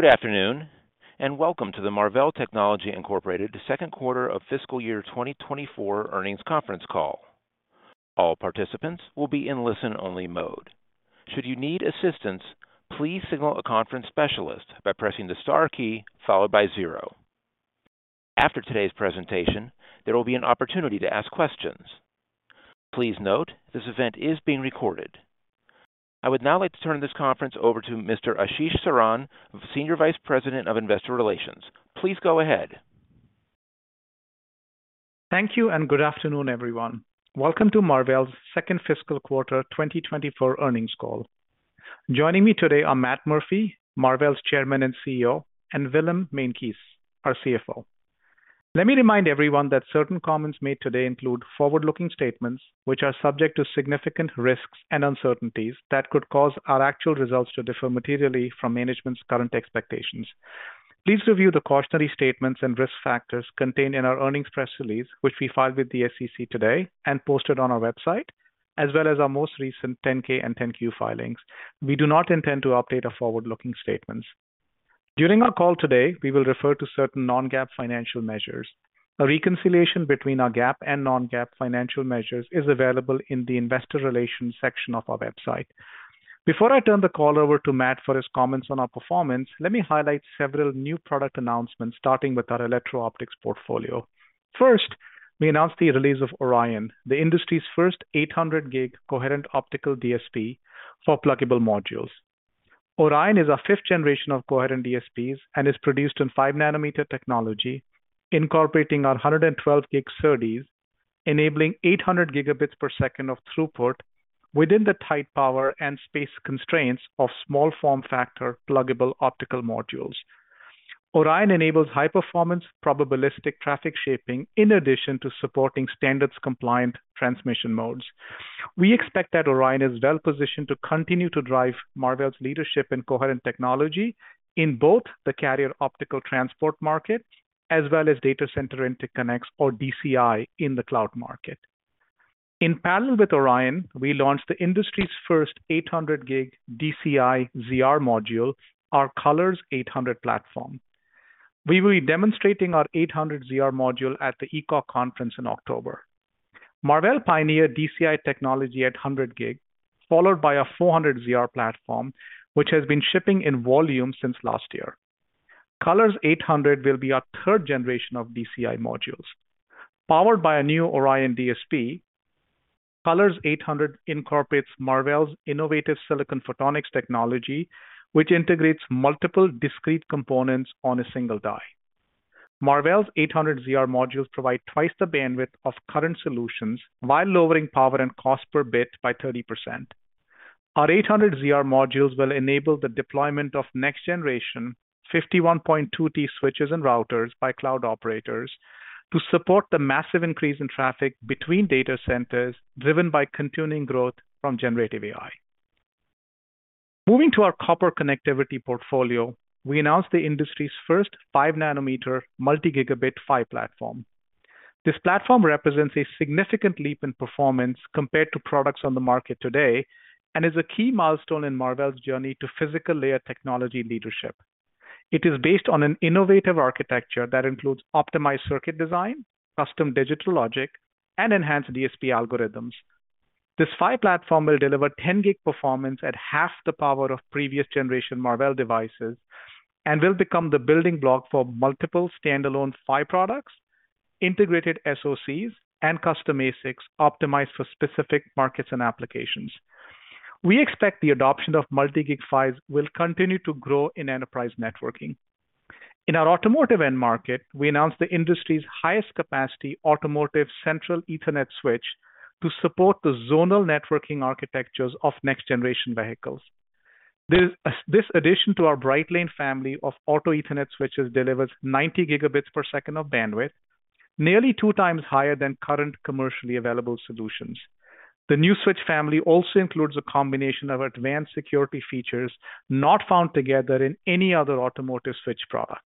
Good afternoon, and welcome to the Marvell Technology Incorporated second quarter of fiscal year 2024 earnings conference call. All participants will be in listen-only mode. Should you need assistance, please signal a conference specialist by pressing the star key followed by zero. After today's presentation, there will be an opportunity to ask questions. Please note, this event is being recorded. I would now like to turn this conference over to Mr. Ashish Saran, Senior Vice President of Investor Relations. Please go ahead. Thank you and good afternoon, everyone. Welcome to Marvell's second fiscal quarter 2024 earnings call. Joining me today are Matt Murphy, Marvell's Chairman and CEO, and Willem Meintjes, our CFO. Let me remind everyone that certain comments made today include forward-looking statements, which are subject to significant risks and uncertainties that could cause our actual results to differ materially from management's current expectations. Please review the cautionary statements and risk factors contained in our earnings press release, which we filed with the SEC today and posted on our website, as well as our most recent 10-K and 10-Q filings. We do not intend to update our forward-looking statements. During our call today, we will refer to certain non-GAAP financial measures. A reconciliation between our GAAP and non-GAAP financial measures is available in the investor relations section of our website. Before I turn the call over to Matt for his comments on our performance, let me highlight several new product announcements, starting with our electro optics portfolio. First, we announced the release of Orion, the industry's first 800 Gb coherent optical DSP for pluggable modules. Orion is our 5th generation of coherent DSPs and is produced in 5-nm technology, incorporating our 112 Gb SerDes, enabling 800 Gb per second of throughput within the tight power and space constraints of small form factor pluggable optical modules. Orion enables high-performance probabilistic traffic shaping in addition to supporting standards-compliant transmission modes. We expect that Orion is well positioned to continue to drive Marvell's leadership in coherent technology in both the carrier optical transport market as well as data center interconnects, or DCI, in the cloud market. In parallel with Orion, we launched the industry's first 800 Gb DCI ZR module, our COLORZ 800 platform. We will be demonstrating our 800ZR module at the ECOC conference in October. Marvell pioneered DCI technology at 100 Gb, followed by our 400ZR platform, which has been shipping in volume since last year. COLORZ 800 will be our third generation of DCI modules. Powered by a new Orion DSP, COLORZ 800 incorporates Marvell's innovative silicon photonics technology, which integrates multiple discrete components on a single die. Marvell's 800ZR modules provide twice the bandwidth of current solutions while lowering power and cost per bit by 30%. Our 800ZR modules will enable the deployment of next-generation 51.2 T switches and routers by cloud operators to support the massive increase in traffic between data centers, driven by continuing growth from generative AI. Moving to our copper connectivity portfolio, we announced the industry's first 5-nm multi-gigabit PHY platform. This platform represents a significant leap in performance compared to products on the market today and is a key milestone in Marvell's journey to physical layer technology leadership. It is based on an innovative architecture that includes optimized circuit design, custom digital logic, and enhanced DSP algorithms. This PHY platform will deliver 10 Gb performance at half the power of previous generation Marvell devices and will become the building block for multiple standalone PHY products, integrated SoCs, and custom ASICs optimized for specific markets and applications. We expect the adoption of multi-gig PHYs will continue to grow in enterprise networking. In our automotive end market, we announced the industry's highest capacity automotive central Ethernet switch to support the zonal networking architectures of next-generation vehicles. This addition to our Brightlane family of auto Ethernet switches delivers 90 Gb per second of bandwidth, nearly two times higher than current commercially available solutions. The new switch family also includes a combination of advanced security features not found together in any other automotive switch product.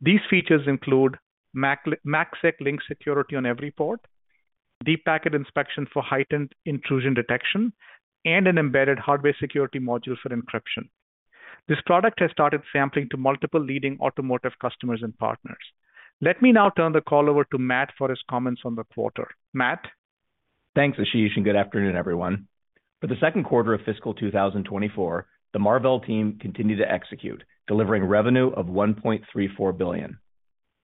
These features include MACsec link security on every port, deep packet inspection for heightened intrusion detection, and an embedded hardware security module for encryption. This product has started sampling to multiple leading automotive customers and partners. Let me now turn the call over to Matt for his comments on the quarter. Matt? Thanks, Ashish, and good afternoon, everyone. For the second quarter of fiscal 2024, the Marvell team continued to execute, delivering revenue of $1.34 billion.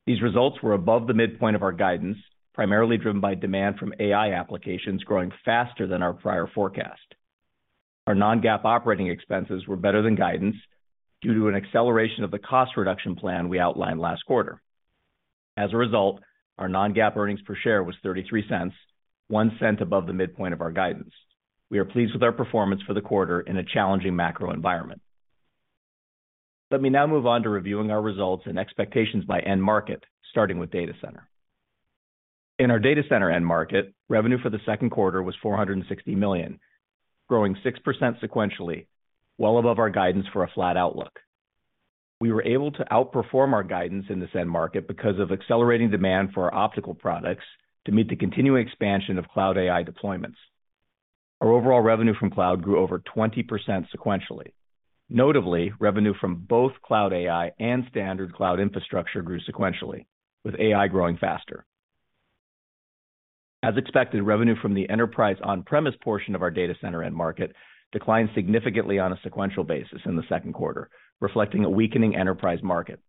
These results were above the midpoint of our guidance, primarily driven by demand from AI applications growing faster than our prior forecast. Our non-GAAP operating expenses were better than guidance due to an acceleration of the cost reduction plan we outlined last quarter. As a result, our non-GAAP earnings per share was $0.33, $0.01 above the midpoint of our guidance. We are pleased with our performance for the quarter in a challenging macro environment. Let me now move on to reviewing our results and expectations by end market, starting with data center. In our data center end market, revenue for the second quarter was $460 million, growing 6% sequentially, well above our guidance for a flat outlook. We were able to outperform our guidance in this end market because of accelerating demand for our optical products to meet the continuing expansion of cloud AI deployments.... Our overall revenue from cloud grew over 20% sequentially. Notably, revenue from both cloud AI and standard cloud infrastructure grew sequentially, with AI growing faster. As expected, revenue from the enterprise on-premise portion of our data center end market declined significantly on a sequential basis in the second quarter, reflecting a weakening enterprise market.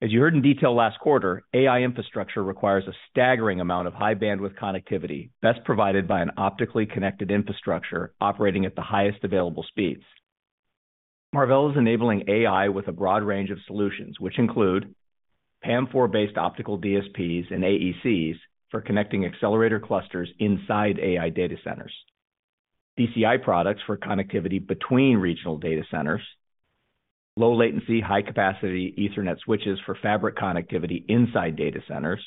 As you heard in detail last quarter, AI infrastructure requires a staggering amount of high-bandwidth connectivity, best provided by an optically connected infrastructure operating at the highest available speeds. Marvell is enabling AI with a broad range of solutions, which include PAM4-based optical DSPs and AECs for connecting accelerator clusters inside AI data centers, DCI products for connectivity between regional data centers, low latency, high-capacity Ethernet switches for fabric connectivity inside data centers,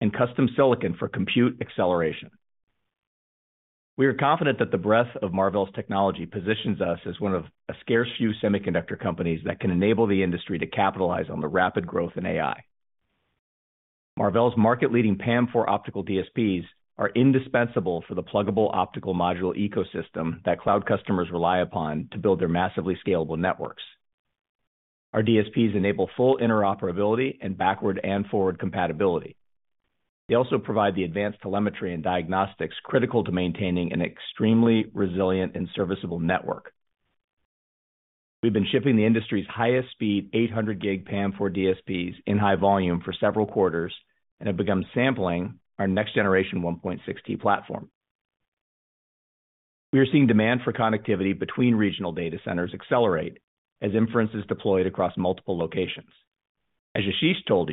and custom silicon for compute acceleration. We are confident that the breadth of Marvell's technology positions us as one of a scarce few semiconductor companies that can enable the industry to capitalize on the rapid growth in AI. Marvell's market-leading PAM4 optical DSPs are indispensable for the pluggable optical module ecosystem that cloud customers rely upon to build their massively scalable networks. Our DSPs enable full interoperability and backward and forward compatibility. They also provide the advanced telemetry and diagnostics critical to maintaining an extremely resilient and serviceable network. We've been shipping the industry's highest speed 800 Gb PAM4 DSPs in high volume for several quarters and have begun sampling our next generation 1.6T platform. We are seeing demand for connectivity between regional data centers accelerate as inference is deployed across multiple locations. As Ashish told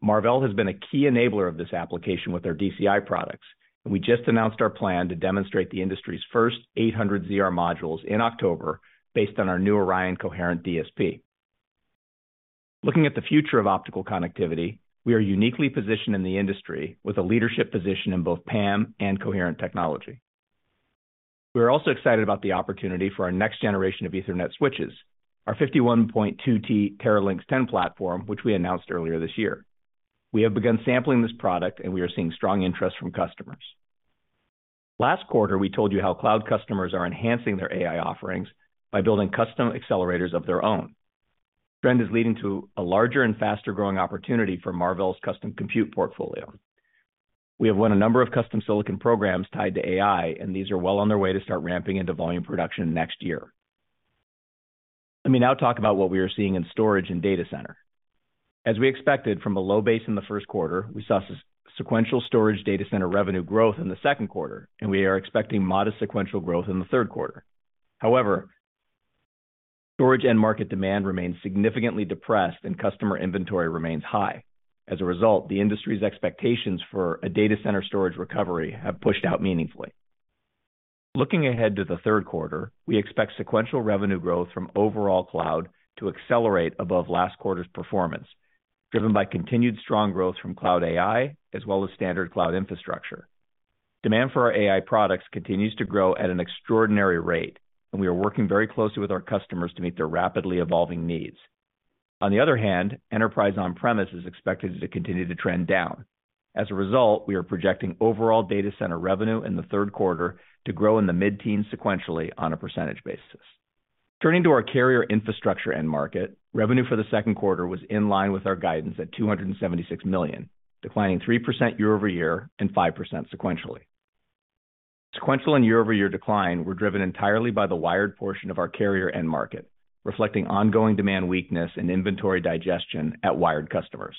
you, Marvell has been a key enabler of this application with our DCI products, and we just announced our plan to demonstrate the industry's first 800ZR modules in October based on our new Orion coherent DSP. Looking at the future of optical connectivity, we are uniquely positioned in the industry with a leadership position in both PAM and coherent technology. We are also excited about the opportunity for our next generation of Ethernet switches, our 51.2T Teralynx 10 platform, which we announced earlier this year. We have begun sampling this product, and we are seeing strong interest from customers. Last quarter, we told you how cloud customers are enhancing their AI offerings by building custom accelerators of their own. This trend is leading to a larger and faster-growing opportunity for Marvell's custom compute portfolio. We have won a number of custom silicon programs tied to AI, and these are well on their way to start ramping into volume production next year. Let me now talk about what we are seeing in storage and data center. As we expected from a low base in the first quarter, we saw sequential storage data center revenue growth in the second quarter, and we are expecting modest sequential growth in the third quarter. However, storage end market demand remains significantly depressed and customer inventory remains high. As a result, the industry's expectations for a data center storage recovery have pushed out meaningfully. Looking ahead to the third quarter, we expect sequential revenue growth from overall cloud to accelerate above last quarter's performance, driven by continued strong growth from cloud AI, as well as standard cloud infrastructure. Demand for our AI products continues to grow at an extraordinary rate, and we are working very closely with our customers to meet their rapidly evolving needs. On the other hand, enterprise on-premise is expected to continue to trend down. As a result, we are projecting overall data center revenue in the third quarter to grow in the mid-teen sequentially on a percentage basis. Turning to our carrier infrastructure end market, revenue for the second quarter was in line with our guidance at $276 million, declining 3% year over year and 5% sequentially. Sequential and year-over-year decline were driven entirely by the wired portion of our carrier end market, reflecting ongoing demand weakness and inventory digestion at wired customers.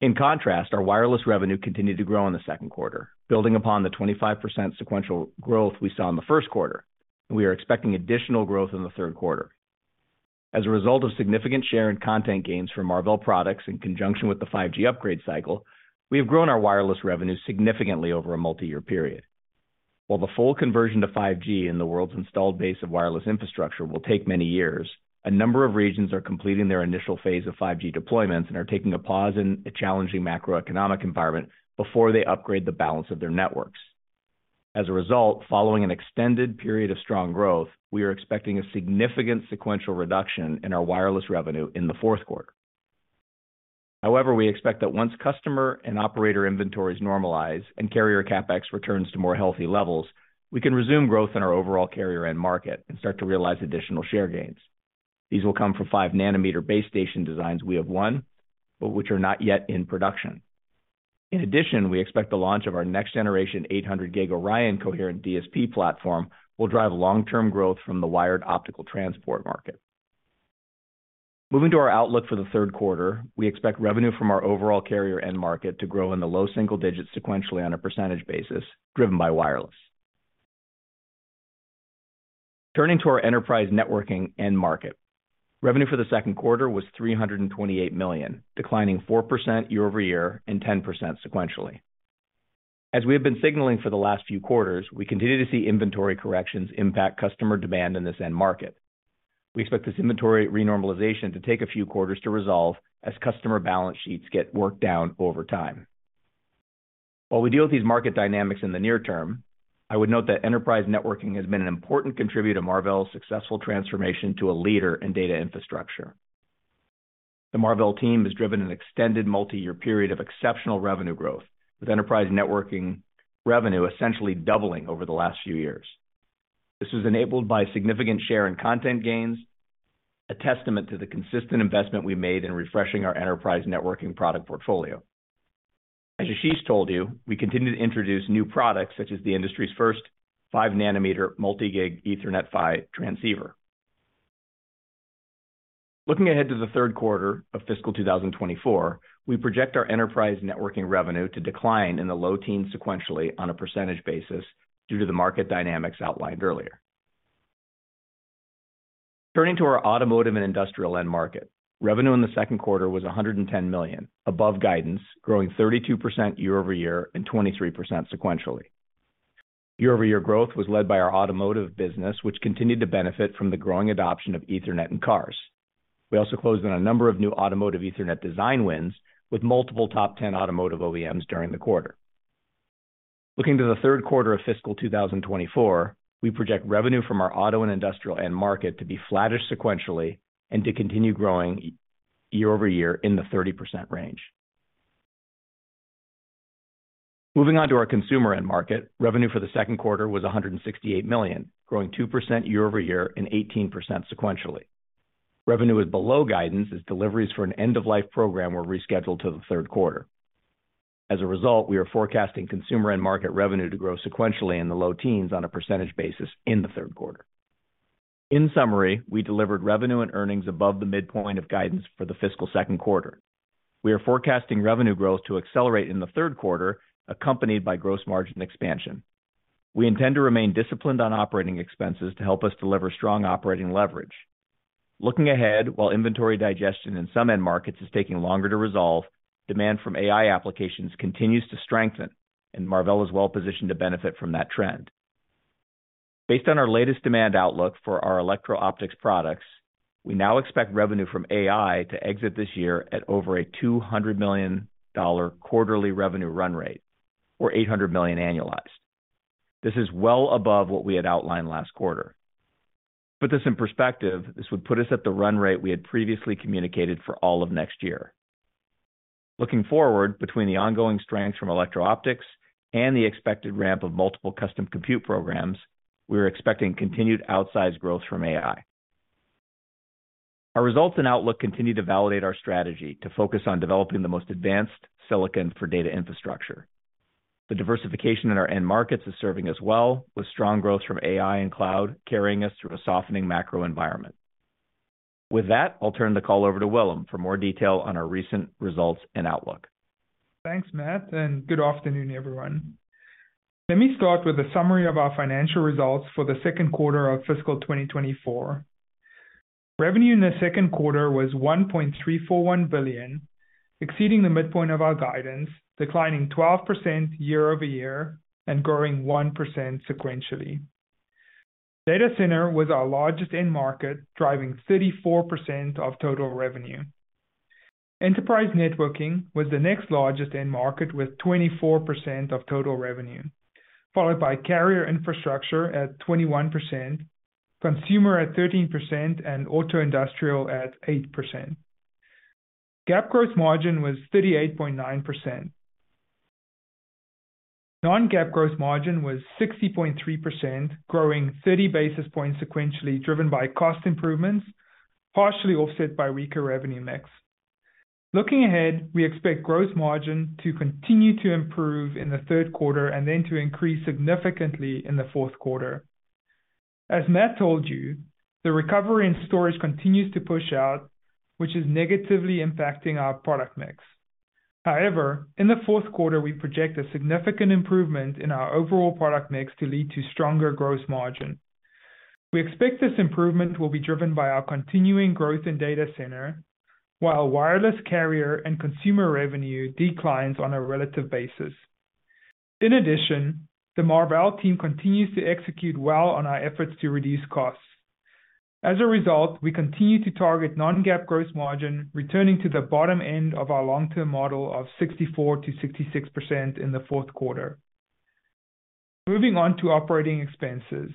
In contrast, our wireless revenue continued to grow in the second quarter, building upon the 25% sequential growth we saw in the first quarter, and we are expecting additional growth in the third quarter. As a result of significant share and content gains for Marvell products in conjunction with the 5G upgrade cycle, we have grown our wireless revenue significantly over a multi-year period. While the full conversion to 5G in the world's installed base of wireless infrastructure will take many years, a number of regions are completing their initial phase of 5G deployments and are taking a pause in a challenging macroeconomic environment before they upgrade the balance of their networks. As a result, following an extended period of strong growth, we are expecting a significant sequential reduction in our wireless revenue in the fourth quarter. However, we expect that once customer and operator inventories normalize and carrier CapEx returns to more healthy levels, we can resume growth in our overall carrier end market and start to realize additional share gains. These will come from 5-nm base station designs we have won, but which are not yet in production. In addition, we expect the launch of our next generation 800 Gb Orion coherent DSP platform will drive long-term growth from the wired optical transport market. Moving to our outlook for the third quarter, we expect revenue from our overall carrier end market to grow in the low single digits sequentially on a percentage basis, driven by wireless. Turning to our enterprise networking end market. Revenue for the second quarter was $328 million, declining 4% year-over-year and 10% sequentially. As we have been signaling for the last few quarters, we continue to see inventory corrections impact customer demand in this end market. We expect this inventory renormalization to take a few quarters to resolve as customer balance sheets get worked down over time. While we deal with these market dynamics in the near term, I would note that enterprise networking has been an important contributor to Marvell's successful transformation to a leader in data infrastructure. The Marvell team has driven an extended multi-year period of exceptional revenue growth, with enterprise networking revenue essentially doubling over the last few years. This was enabled by significant share and content gains, a testament to the consistent investment we made in refreshing our enterprise networking product portfolio. As Ashish told you, we continue to introduce new products such as the industry's first 5-nanometer multi-gig Ethernet PHY transceiver. Looking ahead to the third quarter of fiscal 2024, we project our enterprise networking revenue to decline in the low teens% sequentially on a percentage basis due to the market dynamics outlined earlier. Turning to our automotive and industrial end market. Revenue in the second quarter was $110 million, above guidance, growing 32% year-over-year and 23% sequentially. Year-over-year growth was led by our automotive business, which continued to benefit from the growing adoption of Ethernet in cars. We also closed on a number of new automotive Ethernet design wins, with multiple top 10 automotive OEMs during the quarter. Looking to the third quarter of fiscal 2024, we project revenue from our auto and industrial end market to be flattish sequentially and to continue growing year-over-year in the 30% range. Moving on to our consumer end market, revenue for the second quarter was $168 million, growing 2% year-over-year and 18% sequentially. Revenue was below guidance as deliveries for an end-of-life program were rescheduled to the third quarter. As a result, we are forecasting consumer end market revenue to grow sequentially in the low teens % in the third quarter. In summary, we delivered revenue and earnings above the midpoint of guidance for the fiscal second quarter. We are forecasting revenue growth to accelerate in the third quarter, accompanied by gross margin expansion. We intend to remain disciplined on operating expenses to help us deliver strong operating leverage. Looking ahead, while inventory digestion in some end markets is taking longer to resolve, demand from AI applications continues to strengthen, and Marvell is well positioned to benefit from that trend. Based on our latest demand outlook for our electro optics products, we now expect revenue from AI to exit this year at over a $200 million quarterly revenue run rate, or $800 million annualized. This is well above what we had outlined last quarter. To put this in perspective, this would put us at the run rate we had previously communicated for all of next year. Looking forward, between the ongoing strength from electro optics and the expected ramp of multiple custom compute programs, we are expecting continued outsized growth from AI. Our results and outlook continue to validate our strategy to focus on developing the most advanced silicon for data infrastructure. The diversification in our end markets is serving us well, with strong growth from AI and cloud, carrying us through a softening macro environment. With that, I'll turn the call over to Willem for more detail on our recent results and outlook. Thanks, Matt, and good afternoon, everyone. Let me start with a summary of our financial results for the second quarter of fiscal 2024. Revenue in the second quarter was $1.341 billion, exceeding the midpoint of our guidance, declining 12% year-over-year and growing 1% sequentially. Data center was our largest end market, driving 34% of total revenue. Enterprise networking was the next largest end market, with 24% of total revenue, followed by carrier infrastructure at 21%, consumer at 13%, and auto industrial at 8%. GAAP gross margin was 38.9%. Non-GAAP gross margin was 60.3%, growing 30 basis points sequentially, driven by cost improvements, partially offset by weaker revenue mix. Looking ahead, we expect gross margin to continue to improve in the third quarter and then to increase significantly in the fourth quarter. As Matt told you, the recovery in storage continues to push out, which is negatively impacting our product mix. However, in the Q4, we project a significant improvement in our overall product mix to lead to stronger gross margin. We expect this improvement will be driven by our continuing growth in data center, while wireless carrier and consumer revenue declines on a relative basis. In addition, the Marvell team continues to execute well on our efforts to reduce costs. As a result, we continue to target non-GAAP gross margin, returning to the bottom end of our long-term model of 64%-66% in the fourth quarter. Moving on to operating expenses.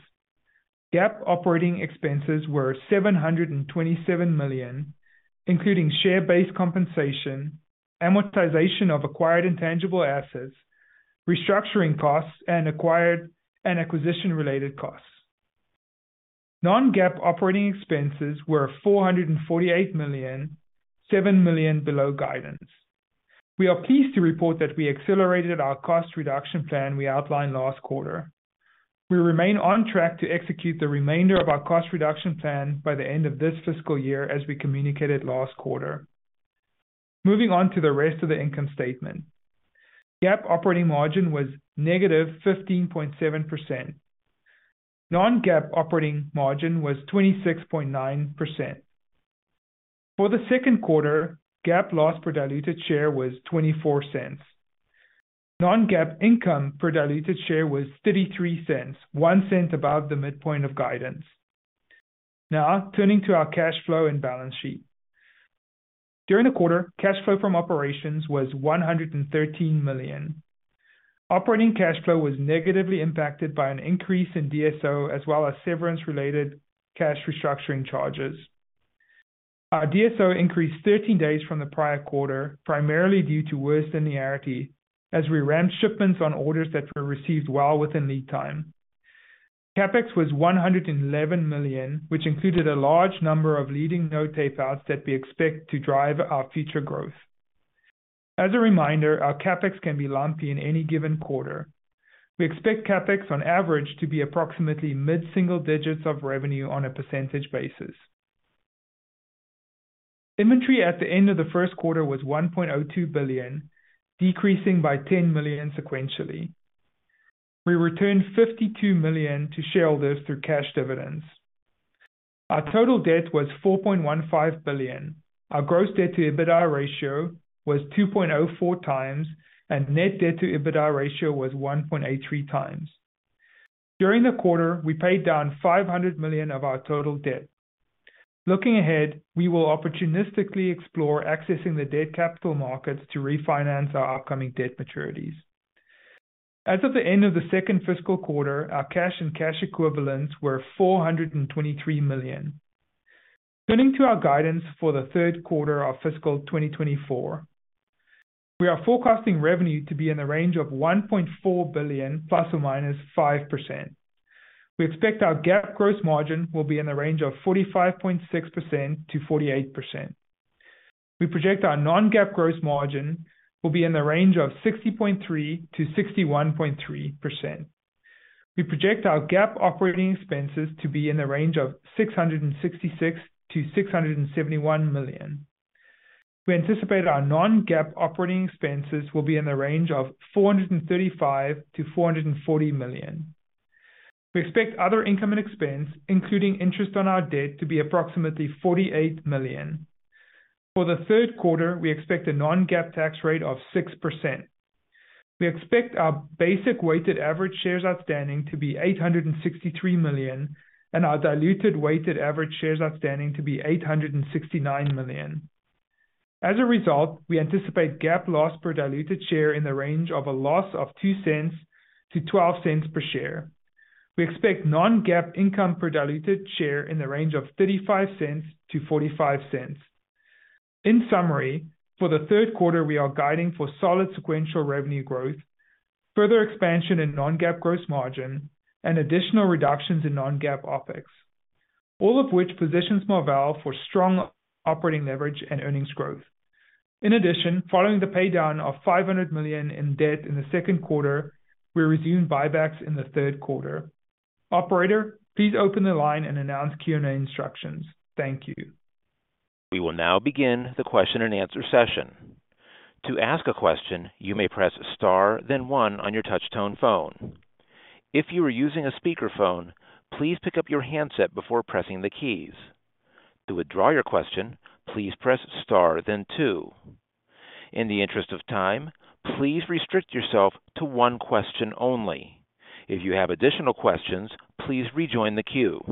GAAP operating expenses were $727 million, including share-based compensation, amortization of acquired intangible assets, restructuring costs, and acquired and acquisition-related costs. Non-GAAP operating expenses were $448 million, $7 million below guidance. We are pleased to report that we accelerated our cost reduction plan we outlined last quarter. We remain on track to execute the remainder of our cost reduction plan by the end of this fiscal year, as we communicated last quarter. Moving on to the rest of the income statement. GAAP operating margin was negative 15.7%. Non-GAAP operating margin was 26.9%. For the second quarter, GAAP loss per diluted share was $0.24. Non-GAAP income per diluted share was $0.33, $0.01 above the midpoint of guidance. Now, turning to our cash flow and balance sheet. During the quarter, cash flow from operations was $113 million. Operating cash flow was negatively impacted by an increase in DSO, as well as severance-related cash restructuring charges. Our DSO increased 13 days from the prior quarter, primarily due to worse linearity, as we ramped shipments on orders that were received well within lead time. CapEx was $111 million, which included a large number of leading node tape outs that we expect to drive our future growth. As a reminder, our CapEx can be lumpy in any given quarter. We expect CapEx on average to be approximately mid-single digits of revenue on a percentage basis. Inventory at the end of the first quarter was $1.02 billion, decreasing by $10 million sequentially. We returned $52 million to shareholders through cash dividends. Our total debt was $4.15 billion. Our gross debt to EBITDA ratio was 2.04 times, and net debt to EBITDA ratio was 1.83 times. During the quarter, we paid down $500 million of our total debt. Looking ahead, we will opportunistically explore accessing the debt capital markets to refinance our upcoming debt maturities. As of the end of the second fiscal quarter, our cash and cash equivalents were $423 million. Turning to our guidance for the third quarter of fiscal 2024, we are forecasting revenue to be in the range of $1.4 billion ±5%. We expect our GAAP gross margin will be in the range of 45.6%-48%. We project our non-GAAP gross margin will be in the range of 60.3%-61.3%. We project our GAAP operating expenses to be in the range of $666 million-$671 million. We anticipate our non-GAAP operating expenses will be in the range of $435 million-$440 million. We expect other income and expense, including interest on our debt, to be approximately $48 million. For the third quarter, we expect a non-GAAP tax rate of 6%. We expect our basic weighted average shares outstanding to be 863 million, and our diluted weighted average shares outstanding to be 869 million. As a result, we anticipate GAAP loss per diluted share in the range of a loss of $0.02-$0.12 per share. We expect non-GAAP income per diluted share in the range of $0.35-$0.45. In summary, for the third quarter, we are guiding for solid sequential revenue growth, further expansion in non-GAAP gross margin, and additional reductions in non-GAAP OpEx, all of which positions Marvell for strong operating leverage and earnings growth. In addition, following the paydown of $500 million in debt in the second quarter, we resumed buybacks in the third quarter. Operator, please open the line and announce Q&A instructions. Thank you. We will now begin the question-and-answer session. To ask a question, you may press star then one on your touchtone phone. If you are using a speakerphone, please pick up your handset before pressing the keys. To withdraw your question, please press star then two. In the interest of time, please restrict yourself to one question only. If you have additional questions, please rejoin the queue.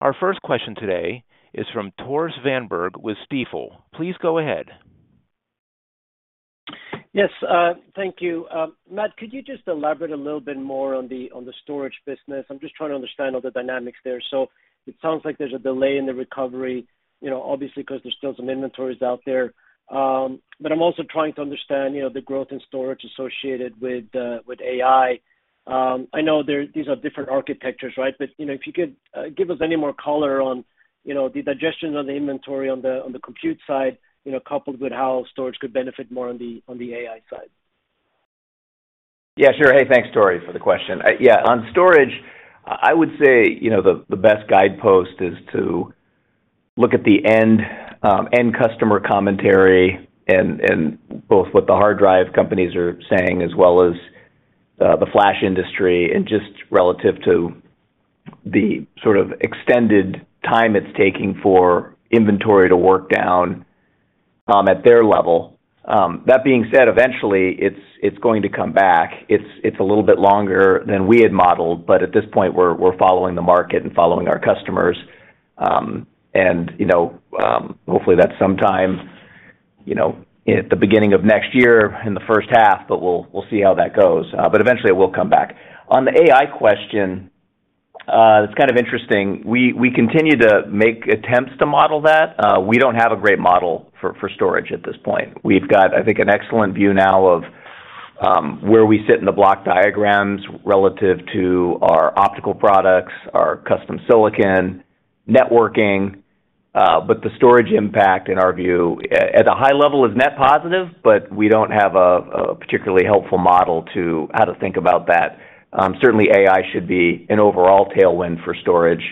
Our first question today is from Tore Svanberg with Stifel. Please go ahead. Yes, thank you. Matt, could you just elaborate a little bit more on the, on the storage business? I'm just trying to understand all the dynamics there. So it sounds like there's a delay in the recovery, you know, obviously, 'cause there's still some inventories out there. But I'm also trying to understand, you know, the growth in storage associated with, with AI. I know these are different architectures, right? But, you know, if you could, give us any more color on, you know, the digestion on the inventory on the, on the compute side, you know, coupled with how storage could benefit more on the, on the AI side. Yeah, sure. Hey, thanks, Tore, for the question. Yeah, on storage, I would say, you know, the best guidepost is to look at the end customer commentary and both what the hard drive companies are saying, as well as the flash industry, and just relative to the sort of extended time it's taking for inventory to work down at their level. That being said, eventually it's going to come back. It's a little bit longer than we had modeled, but at this point, we're following the market and following our customers. And, you know, hopefully, that's sometime, you know, at the beginning of next year, in the first half, but we'll see how that goes. But eventually it will come back. On the AI question, it's kind of interesting. We continue to make attempts to model that. We don't have a great model for storage at this point. We've got, I think, an excellent view now of where we sit in the block diagrams relative to our optical products, our custom silicon, networking, but the storage impact, in our view, at a high level, is net positive, but we don't have a particularly helpful model to how to think about that. Certainly, AI should be an overall tailwind for storage,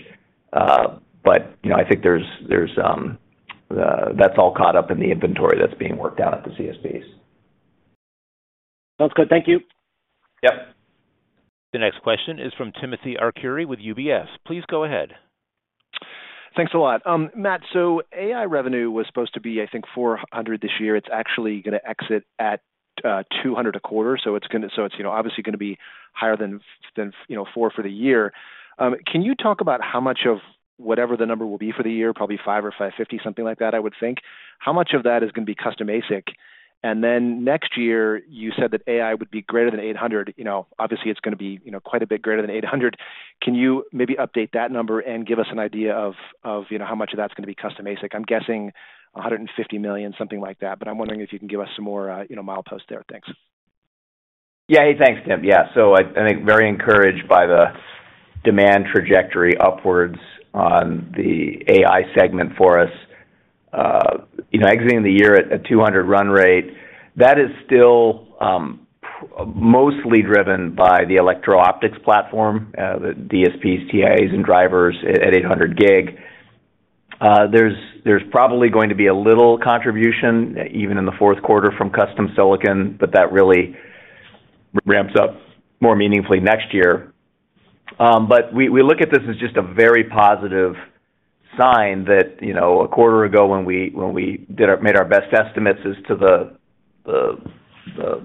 but, you know, I think there's that's all caught up in the inventory that's being worked out at the CSPs. Sounds good. Thank you. Yep. The next question is from Timothy Arcuri with UBS. Please go ahead. Thanks a lot. Matt, so AI revenue was supposed to be, I think, $400 this year. It's actually gonna exit at $200 a quarter, so it's, you know, obviously gonna be higher than $400 for the year. Can you talk about how much of whatever the number will be for the year, probably $500 or $550, something like that, I would think. How much of that is gonna be custom ASIC? And then next year, you said that AI would be greater than $800. You know, obviously, it's gonna be, you know, quite a bit greater than $800. Can you maybe update that number and give us an idea of how much of that's gonna be custom ASIC? I'm guessing $150 million, something like that, but I'm wondering if you can give us some more, you know, mileposts there. Thanks. Yeah. Hey, thanks, Tim. Yeah. So I think very encouraged by the demand trajectory upwards on the AI segment for us. You know, exiting the year at a 200 run rate, that is still mostly driven by the electro-optics platform, the DSPs, TIs, and drivers at 800 Gb. There's probably going to be a little contribution, even in the fourth quarter, from custom silicon, but that really ramps up more meaningfully next year. But we look at this as just a very positive sign that, you know, a quarter ago, when we made our best estimates as to the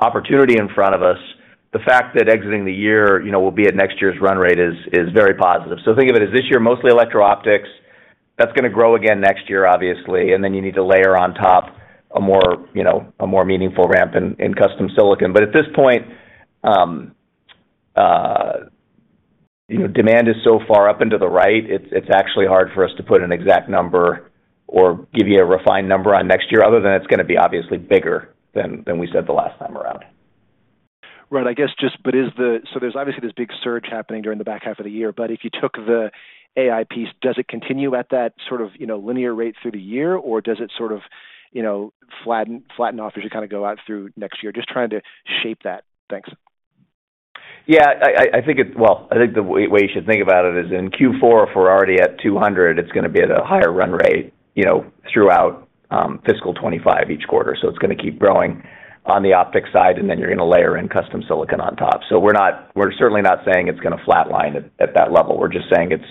opportunity in front of us, the fact that exiting the year, you know, we'll be at next year's run rate is very positive. So think of it as this year, mostly electro-optics. That's gonna grow again next year, obviously, and then you need to layer on top a more, you know, a more meaningful ramp in custom silicon. But at this point, you know, demand is so far up into the right, it's actually hard for us to put an exact number or give you a refined number on next year, other than it's gonna be obviously bigger than we said the last time around. Right. I guess, but so there's obviously this big surge happening during the back half of the year, but if you took the AI piece, does it continue at that sort of, you know, linear rate through the year, or does it sort of, you know, flatten off as you kind of go out through next year? Just trying to shape that. Thanks. Yeah, I think it... Well, I think the way you should think about it is in Q4, if we're already at 200, it's gonna be at a higher run rate, you know, throughout fiscal 2025 each quarter. So it's gonna keep growing on the optics side, and then you're gonna layer in custom silicon on top. So we're not. We're certainly not saying it's gonna flatline at that level. We're just saying it's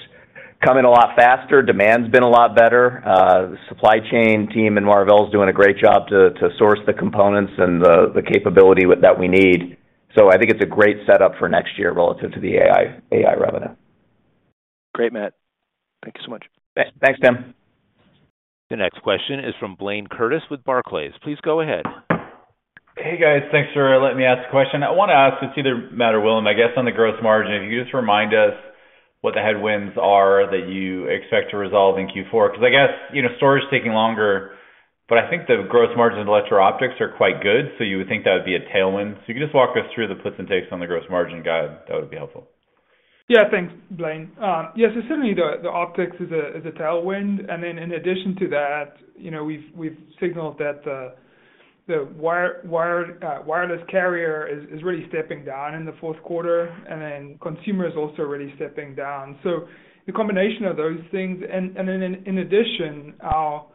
coming a lot faster. Demand's been a lot better. The supply chain team in Marvell is doing a great job to source the components and the capability with that we need. So I think it's a great setup for next year relative to the AI revenue. Great, Matt. Thank you so much. Thanks, Tim. The next question is from Blayne Curtis with Barclays. Please go ahead. Hey, guys. Thanks for letting me ask a question. I want to ask. It's either Matt or Willem, I guess, on the gross margin. If you could just remind us what the headwinds are that you expect to resolve in Q4, because I guess, you know, storage is taking longer, but I think the gross margins in electro-optics are quite good, so you would think that would be a tailwind. So if you just walk us through the puts and takes on the gross margin guide, that would be helpful. Yeah, thanks, Blayne. Yes, so certainly, the optics is a tailwind, and then in addition to that, you know, we've signaled that the wireline carrier is really stepping down in the fourth quarter, and then consumer is also really stepping down. So the combination of those things... And then in addition, our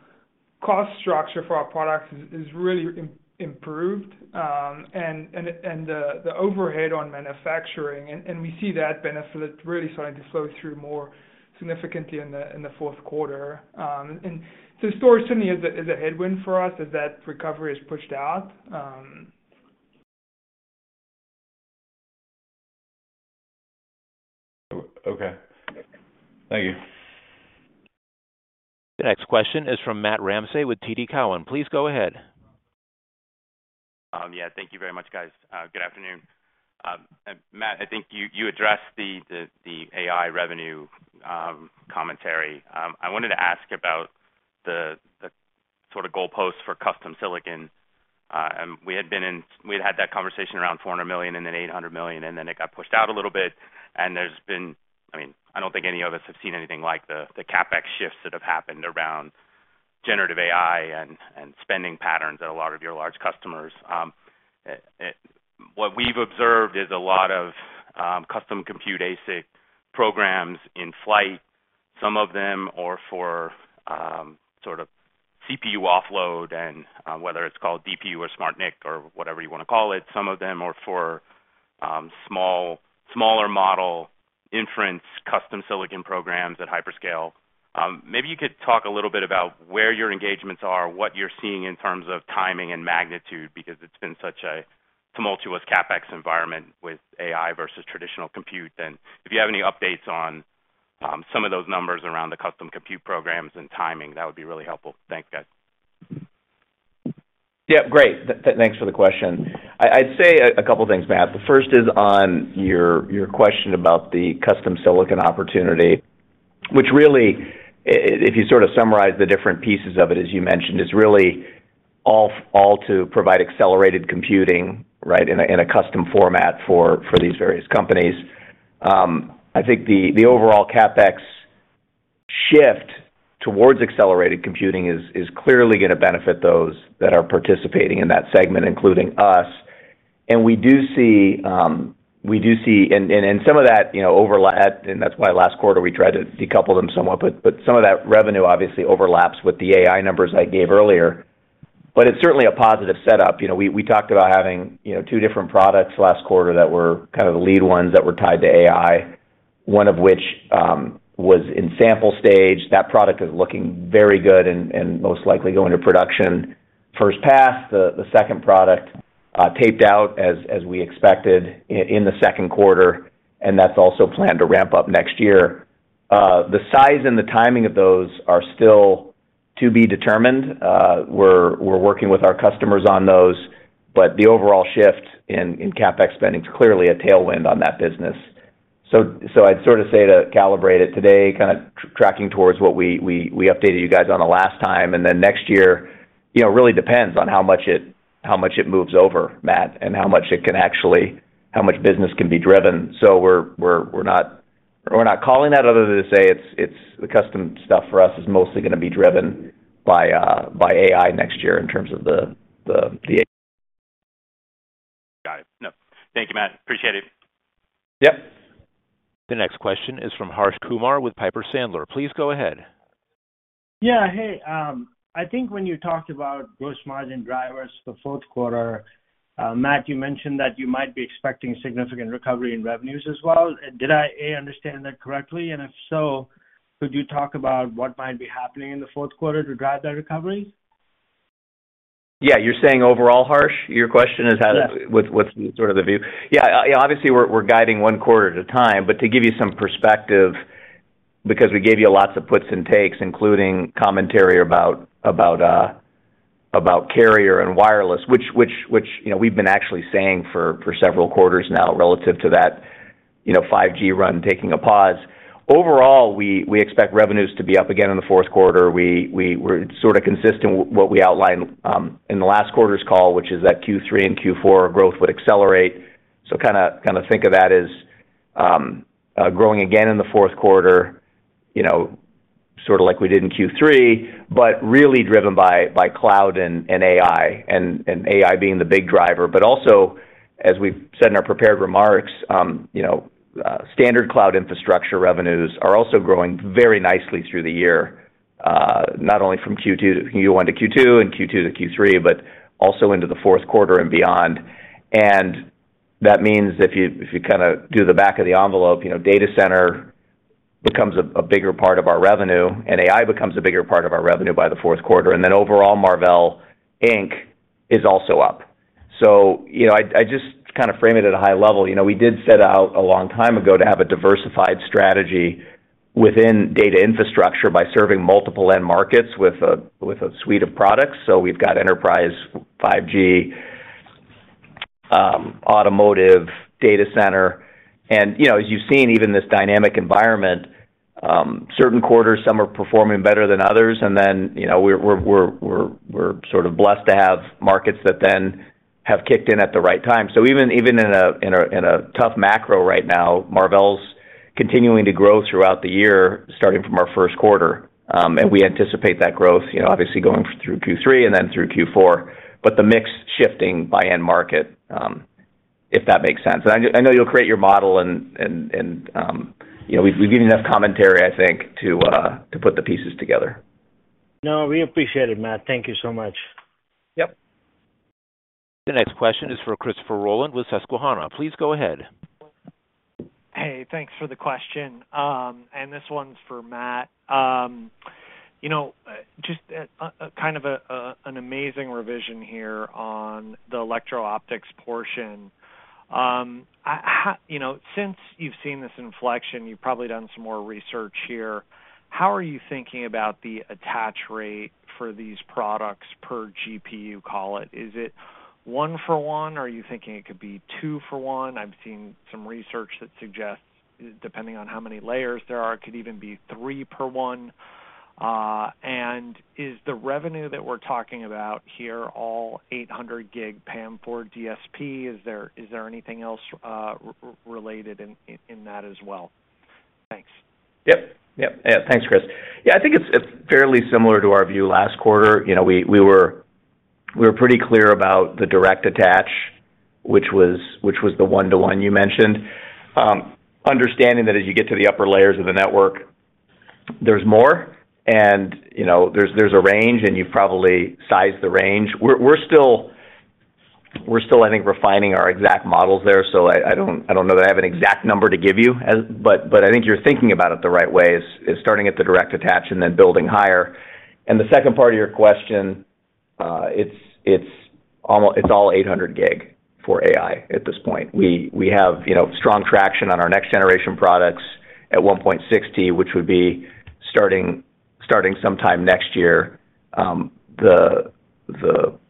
cost structure for our products is really improved, and the overhead on manufacturing, and we see that benefit really starting to flow through more significantly in the fourth quarter. And so storage certainly is a headwind for us as that recovery is pushed out. Okay. Thank you. The next question is from Matt Ramsay with TD Cowen. Please go ahead. Yeah, thank you very much, guys. Good afternoon. Matt, I think you addressed the AI revenue commentary. I wanted to ask about the sort of goalposts for custom silicon. And we had been in—we'd had that conversation around $400 million and then $800 million, and then it got pushed out a little bit, and there's been—I mean, I don't think any of us have seen anything like the CapEx shifts that have happened around generative AI and spending patterns at a lot of your large customers. What we've observed is a lot of custom compute ASIC programs in flight. Some of them are for sort of CPU offload and whether it's called DPU or Smart-NIC or whatever you want to call it. Some of them are for smaller model inference, custom silicon programs at hyperscale. Maybe you could talk a little bit about where your engagements are, what you're seeing in terms of timing and magnitude, because it's been such a tumultuous CapEx environment with AI versus traditional compute. And if you have any updates on some of those numbers around the custom compute programs and timing, that would be really helpful. Thanks, guys. Yeah, great. Thanks for the question. I'd say a couple things, Matt. The first is on your question about the custom silicon opportunity, which really, if you sort of summarize the different pieces of it, as you mentioned, is really all to provide accelerated computing, right, in a custom format for these various companies. I think the overall CapEx shift towards accelerated computing is clearly gonna benefit those that are participating in that segment, including us. And we do see, we do see, and some of that, you know, overlap, and that's why last quarter we tried to decouple them somewhat, but some of that revenue obviously overlaps with the AI numbers I gave earlier. But it's certainly a positive setup. You know, we talked about having, you know, two different products last quarter that were kind of the lead ones that were tied to AI... one of which was in sample stage. That product is looking very good and most likely go into production first pass. The second product taped out as we expected in the second quarter, and that's also planned to ramp up next year. The size and the timing of those are still to be determined. We're working with our customers on those, but the overall shift in CapEx spending is clearly a tailwind on that business. So, I'd sort of say to calibrate it today, kind of tracking towards what we updated you guys on the last time, and then next year, you know, really depends on how much it moves over, Matt, and how much it can actually- how much business can be driven. So we're not calling that other than to say it's the custom stuff for us is mostly gonna be driven by AI next year in terms of the- Got it. No. Thank you, Matt. Appreciate it. Yep. The next question is from Harsh Kumar with Piper Sandler. Please go ahead. Yeah, hey, I think when you talked about gross margin drivers for fourth quarter, Matt, you mentioned that you might be expecting significant recovery in revenues as well. Did I understand that correctly? And if so, could you talk about what might be happening in the fourth quarter to drive that recovery? Yeah. You're saying overall, Harsh, your question is how- Yeah. With sort of the view? Yeah, yeah, obviously, we're guiding one quarter at a time, but to give you some perspective, because we gave you lots of puts and takes, including commentary about carrier and wireless, which you know, we've been actually saying for several quarters now relative to that, you know, 5G run, taking a pause. Overall, we expect revenues to be up again in the fourth quarter. We're sort of consistent what we outlined in the last quarter's call, which is that Q3 and Q4 growth would accelerate. So kinda think of that as growing again in the fourth quarter, you know, sort of like we did in Q3, but really driven by cloud and AI, and AI being the big driver. But also, as we've said in our prepared remarks, you know, standard cloud infrastructure revenues are also growing very nicely through the year, not only from Q2 to Q1 to Q2 and Q2 to Q3, but also into the fourth quarter and beyond. And that means if you, if you kinda do the back of the envelope, you know, data center becomes a, a bigger part of our revenue, and AI becomes a bigger part of our revenue by the fourth quarter, and then overall, Marvell Inc. is also up. So you know, I, I just kind of frame it at a high level. You know, we did set out a long time ago to have a diversified strategy within data infrastructure by serving multiple end markets with a, with a suite of products. So we've got enterprise 5G, automotive, data center, and, you know, as you've seen, even this dynamic environment, certain quarters, some are performing better than others, and then, you know, we're sort of blessed to have markets that then have kicked in at the right time. So even in a tough macro right now, Marvell's continuing to grow throughout the year, starting from our first quarter. And we anticipate that growth, you know, obviously going through Q3 and then through Q4, but the mix shifting by end market, if that makes sense. And I know you'll create your model and, you know, we've given enough commentary, I think, to put the pieces together. No, we appreciate it, Matt. Thank you so much. Yep. The next question is for Christopher Rolland with Susquehanna. Please go ahead. Hey, thanks for the question. And this one's for Matt. You know, just kind of an amazing revision here on the electro-optics portion. You know, since you've seen this inflection, you've probably done some more research here. How are you thinking about the attach rate for these products per GPU, call it? Is it 1 for 1, or are you thinking it could be 2 for 1? I've seen some research that suggests, depending on how many layers there are, it could even be 3 per 1. And is the revenue that we're talking about here, all 800G PAM4 DSP? Is there anything else related in that as well? Thanks. Yep. Yep. Yeah, thanks, Chris. Yeah, I think it's fairly similar to our view last quarter. You know, we were pretty clear about the direct attach, which was the one to one you mentioned. Understanding that as you get to the upper layers of the network, there's more and, you know, there's a range, and you've probably sized the range. We're still, I think, refining our exact models there, so I don't know that I have an exact number to give you, but I think you're thinking about it the right way, is starting at the direct attach and then building higher. And the second part of your question, it's all 800 Gb for AI at this point. We have, you know, strong traction on our next generation products at 1.6, which would be starting sometime next year. The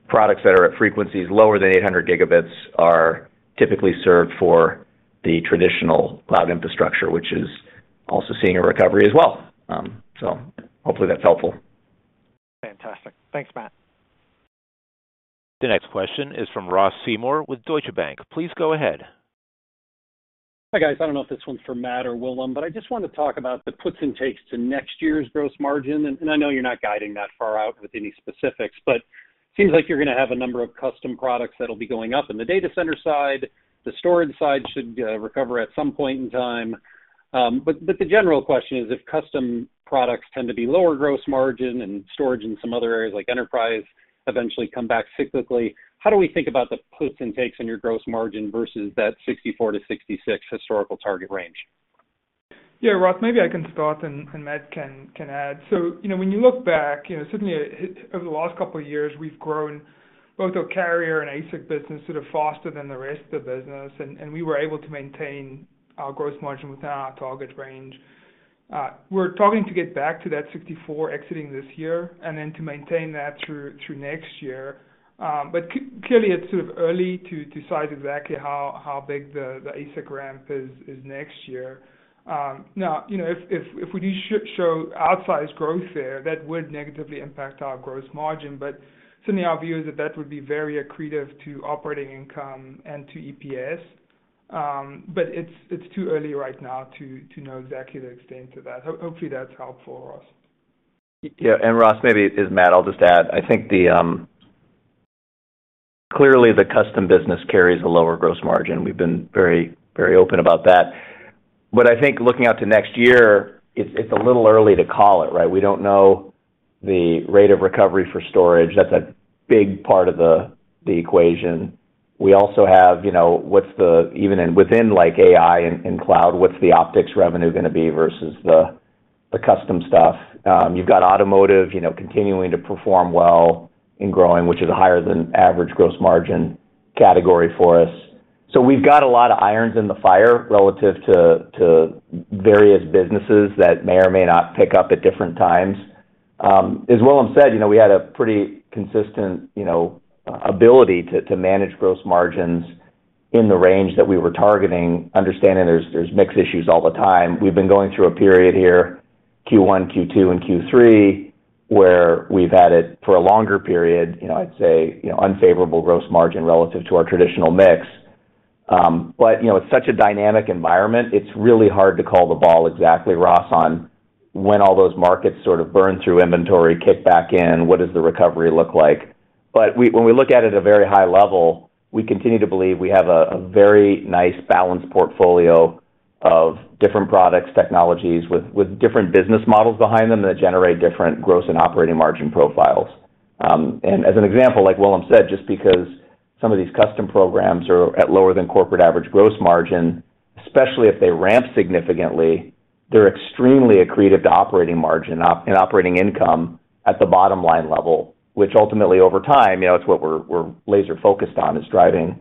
products that are at frequencies lower than 800 Gb are typically served for the traditional cloud infrastructure, which is also seeing a recovery as well. So hopefully that's helpful. Fantastic. Thanks, Matt. The next question is from Ross Seymour with Deutsche Bank. Please go ahead. Hi, guys. I don't know if this one's for Matt or Willem, but I just wanted to talk about the puts and takes to next year's gross margin. And, and I know you're not guiding that far out with any specifics, but seems like you're gonna have a number of custom products that'll be going up in the data center side. The storage side should recover at some point in time. But, but the general question is, if custom products tend to be lower gross margin and storage in some other areas, like enterprise, eventually come back cyclically, how do we think about the puts and takes on your gross margin versus that 64-66 historical target range? Yeah, Ross, maybe I can start and Matt can add. So, you know, when you look back, you know, certainly over the last couple of years, we've grown both our carrier and ASIC business sort of faster than the rest of the business, and we were able to maintain our gross margin within our target range. We're targeting to get back to that 64% exiting this year and then to maintain that through next year. But clearly, it's sort of early to decide exactly how big the ASIC ramp is next year. Now, you know, if we do show outsized growth there, that would negatively impact our gross margin, but certainly our view is that that would be very accretive to operating income and to EPS. But it's too early right now to know exactly the extent of that. Hopefully, that's helpful, Ross. Yeah, and Ross, maybe as Matt, I'll just add. I think, clearly, the custom business carries a lower gross margin. We've been very, very open about that. But I think looking out to next year, it's a little early to call it, right? We don't know the rate of recovery for storage. That's a big part of the equation. We also have, you know, what's the... Even in, within, like, AI and cloud, what's the optics revenue going to be versus the custom stuff? You've got automotive, you know, continuing to perform well and growing, which is a higher-than-average gross margin category for us. So we've got a lot of irons in the fire relative to various businesses that may or may not pick up at different times. As Willem said, you know, we had a pretty consistent, you know, ability to manage gross margins in the range that we were targeting, understanding there's mix issues all the time. We've been going through a period here, Q1, Q2, and Q3, where we've had it for a longer period, you know, I'd say, you know, unfavorable gross margin relative to our traditional mix. But, you know, it's such a dynamic environment, it's really hard to call the ball exactly, Ross, on when all those markets sort of burn through inventory, kick back in, what does the recovery look like? But when we look at it at a very high level, we continue to believe we have a very nice balanced portfolio of different products, technologies, with different business models behind them that generate different gross and operating margin profiles. As an example, like Willem said, just because some of these custom programs are at lower than corporate average gross margin, especially if they ramp significantly, they're extremely accretive to operating margin and operating income at the bottom line level, which ultimately, over time, you know, it's what we're, we're laser focused on, is driving,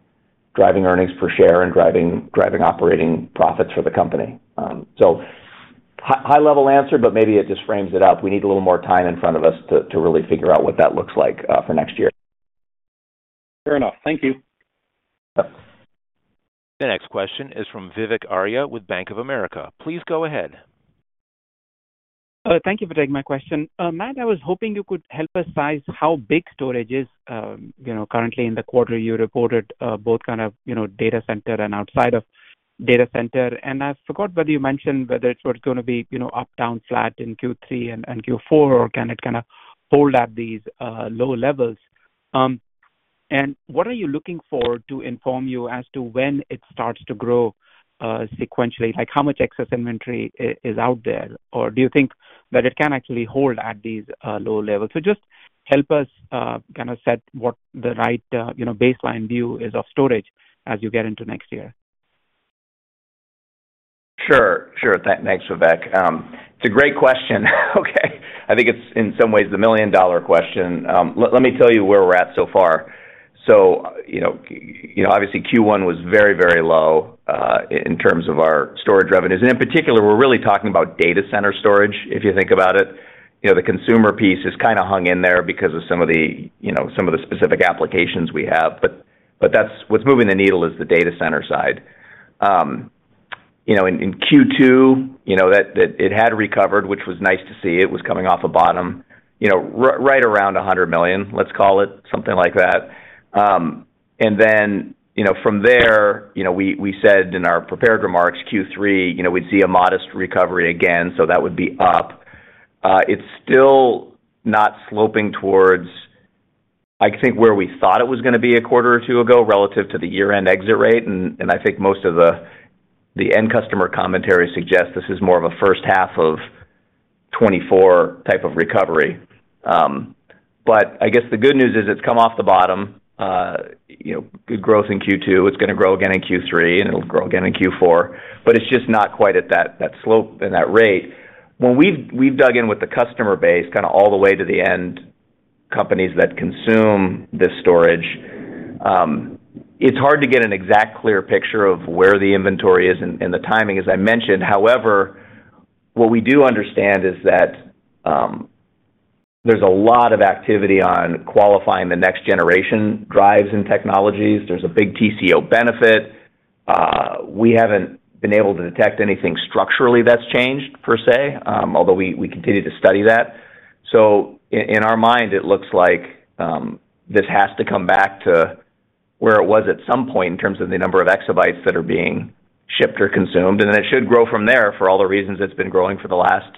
driving earnings per share and driving, driving operating profits for the company. High-level answer, but maybe it just frames it up. We need a little more time in front of us to, to really figure out what that looks like for next year. Fair enough. Thank you. Yep. The next question is from Vivek Arya with Bank of America. Please go ahead. Thank you for taking my question. Matt, I was hoping you could help us size how big storage is, you know, currently in the quarter you reported, both kind of, you know, data center and outside of data center. And I forgot whether you mentioned whether it's what's going to be, you know, up, down, flat in Q3 and Q4, or can it kind of hold at these low levels? And what are you looking for to inform you as to when it starts to grow sequentially? Like, how much excess inventory is out there? Or do you think that it can actually hold at these low levels? So just help us kind of set what the right, you know, baseline view is of storage as you get into next year. Sure. Sure. Thanks, Vivek. It's a great question. Okay. I think it's, in some ways, the million-dollar question. Let me tell you where we're at so far. So, you know, obviously Q1 was very, very low in terms of our storage revenues. And in particular, we're really talking about data center storage, if you think about it. You know, the consumer piece is kind of hung in there because of some of the specific applications we have, but that's what's moving the needle is the data center side. You know, in Q2, you know, that it had recovered, which was nice to see. It was coming off a bottom, you know, right around $100 million, let's call it, something like that. And then, you know, from there, you know, we, we said in our prepared remarks, Q3, you know, we'd see a modest recovery again, so that would be up. It's still not sloping towards, I think, where we thought it was going to be a quarter or two ago, relative to the year-end exit rate. And, and I think most of the, the end customer commentary suggests this is more of a first half of 2024 type of recovery. But I guess the good news is it's come off the bottom. You know, good growth in Q2. It's going to grow again in Q3, and it'll grow again in Q4, but it's just not quite at that, that slope and that rate. When we've dug in with the customer base, kind of all the way to the end, companies that consume this storage, it's hard to get an exact clear picture of where the inventory is and the timing, as I mentioned. However, what we do understand is that, there's a lot of activity on qualifying the next-generation drives and technologies. There's a big TCO benefit. We haven't been able to detect anything structurally that's changed, per se, although we continue to study that. So in our mind, it looks like, this has to come back to where it was at some point in terms of the number of exabytes that are being shipped or consumed, and then it should grow from there for all the reasons it's been growing for the last,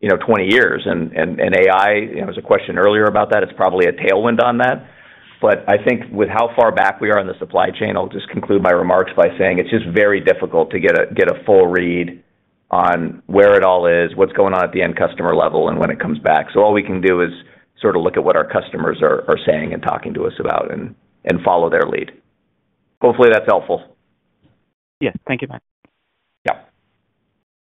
you know, 20 years. And AI, you know, there was a question earlier about that. It's probably a tailwind on that. But I think with how far back we are in the supply chain, I'll just conclude my remarks by saying it's just very difficult to get a full read on where it all is, what's going on at the end customer level, and when it comes back. So all we can do is sort of look at what our customers are saying and talking to us about and follow their lead. Hopefully that's helpful. Yes, thank you, Matt.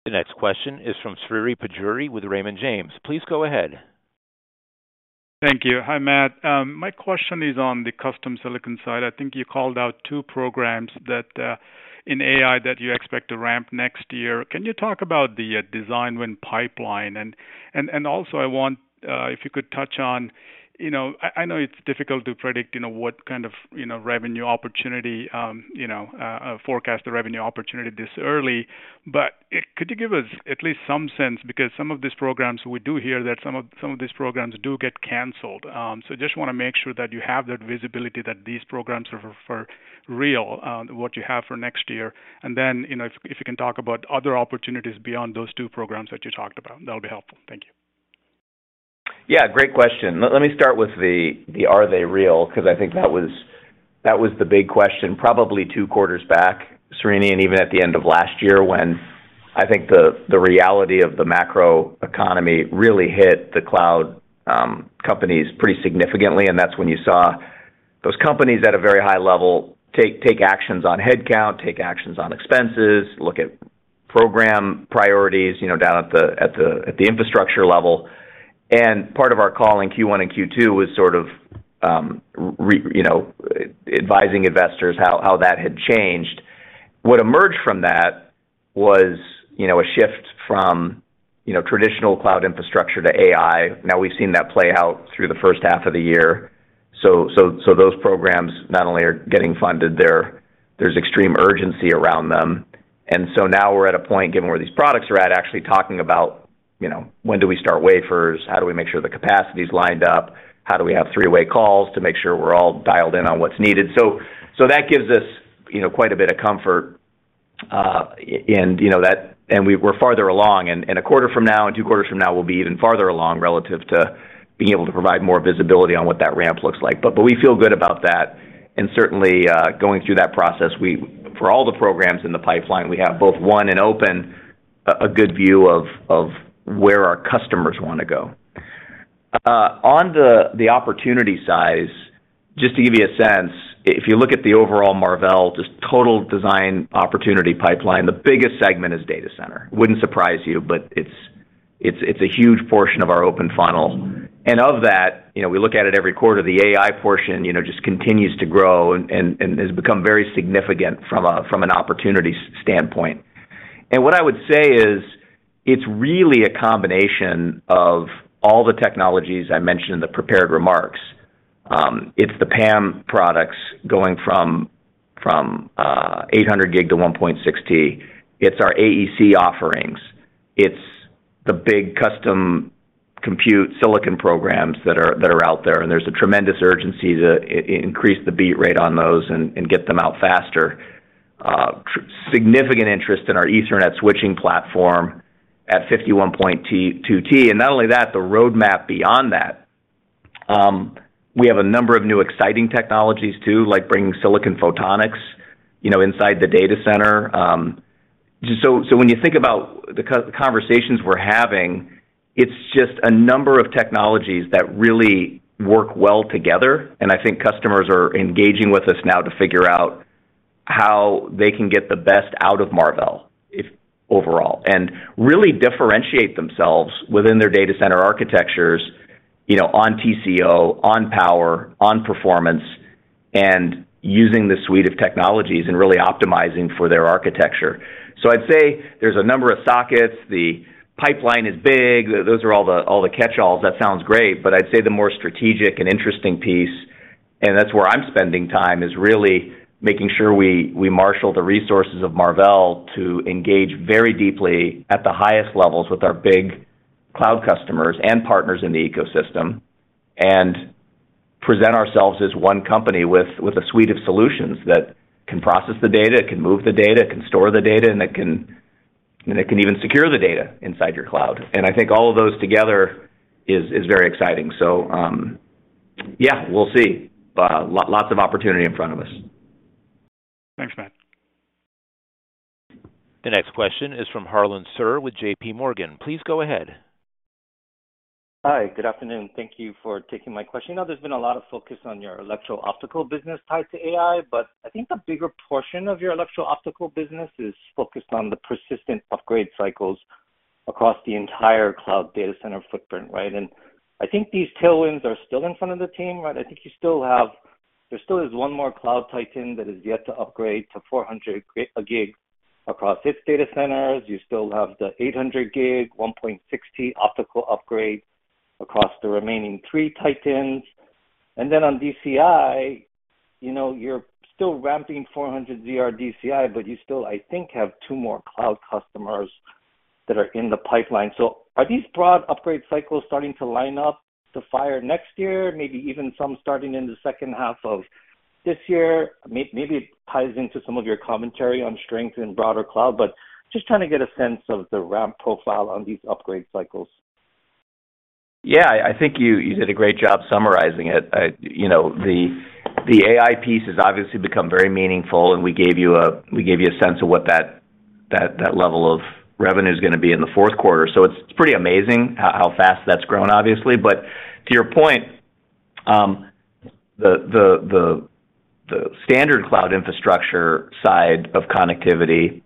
Yeah. The next question is from Srini Pajjuri with Raymond James. Please go ahead. Thank you. Hi, Matt. My question is on the custom silicon side. I think you called out two programs that in AI that you expect to ramp next year. Can you talk about the design win pipeline? And also I want if you could touch on, you know, I know it's difficult to predict, you know, what kind of revenue opportunity, you know, forecast the revenue opportunity this early, but could you give us at least some sense? Because some of these programs, we do hear that some of, some of these programs do get canceled. So just wanna make sure that you have that visibility, that these programs are for, for real, what you have for next year. Then, you know, if you can talk about other opportunities beyond those two programs that you talked about, that'll be helpful. Thank you. Yeah, great question. Let me start with the "are they real?" Because I think that was the big question, probably two quarters back, Srini, and even at the end of last year, when I think the reality of the macroeconomy really hit the cloud companies pretty significantly, and that's when you saw those companies at a very high level, take actions on headcount, take actions on expenses, look at program priorities, you know, down at the infrastructure level. And part of our call in Q1 and Q2 was sort of, you know, advising investors how that had changed. What emerged from that was, you know, a shift from, you know, traditional cloud infrastructure to AI. Now, we've seen that play out through the first half of the year. So those programs not only are getting funded, there's extreme urgency around them. And so now we're at a point, given where these products are at, actually talking about, you know, when do we start wafers? How do we make sure the capacity is lined up? How do we have three-way calls to make sure we're all dialed in on what's needed? So that gives us, you know, quite a bit of comfort in, you know, that, and we're farther along, and a quarter from now, and two quarters from now, we'll be even farther along, relative to being able to provide more visibility on what that ramp looks like. But we feel good about that, and certainly going through that process, we—for all the programs in the pipeline, we have both won and open, a good view of where our customers wanna go. On the opportunity size, just to give you a sense, if you look at the overall Marvell just total design opportunity pipeline, the biggest segment is data center. Wouldn't surprise you, but it's a huge portion of our open funnel. And of that, you know, we look at it every quarter, the AI portion, you know, just continues to grow and has become very significant from an opportunity standpoint. And what I would say is, it's really a combination of all the technologies I mentioned in the prepared remarks. It's the PAM products going from 800 Gb to 1.6T. It's our AEC offerings. It's the big custom compute silicon programs that are out there, and there's a tremendous urgency to increase the beat rate on those and get them out faster. Significant interest in our Ethernet switching platform at 51.2T, 2T. And not only that, the roadmap beyond that. We have a number of new exciting technologies too, like bringing silicon photonics, you know, inside the data center. So when you think about the conversations we're having, it's just a number of technologies that really work well together, and I think customers are engaging with us now to figure out how they can get the best out of Marvell, it overall, and really differentiate themselves within their data center architectures, you know, on TCO, on power, on performance, and using this suite of technologies and really optimizing for their architecture. So I'd say there's a number of sockets. The pipeline is big. Those are all the catch-alls. That sounds great, but I'd say the more strategic and interesting piece, and that's where I'm spending time, is really making sure we marshal the resources of Marvell to engage very deeply at the highest levels with our big cloud customers and partners in the ecosystem, and present ourselves as one company with a suite of solutions that can process the data, can move the data, can store the data, and it can even secure the data inside your cloud. And I think all of those together is very exciting. So, yeah, we'll see. Lots of opportunity in front of us. Thanks, Matt. The next question is from Harlan Sur with JPMorgan. Please go ahead. Hi, good afternoon. Thank you for taking my question. Now, there's been a lot of focus on your electro-optical business tied to AI, but I think the bigger portion of your electro-optical business is focused on the persistent upgrade cycles across the entire cloud data center footprint, right? And I think these tailwinds are still in front of the team, but I think you still have, there still is one more cloud titan that is yet to upgrade to 400 Gb across its data centers. You still have the 800 Gb, 1.6T optical upgrade across the remaining three titans. And then on DCI, you know, you're still ramping 400ZR DCI, but you still, I think, have two more cloud customers that are in the pipeline. So are these broad upgrade cycles starting to line up to fire next year, maybe even some starting in the second half of this year? Maybe it ties into some of your commentary on strength in broader cloud, but just trying to get a sense of the ramp profile on these upgrade cycles. Yeah, I think you did a great job summarizing it. You know, the AI piece has obviously become very meaningful, and we gave you a sense of what that level of revenue is going to be in the fourth quarter. So it's pretty amazing how fast that's grown, obviously. But to your point, the standard cloud infrastructure side of connectivity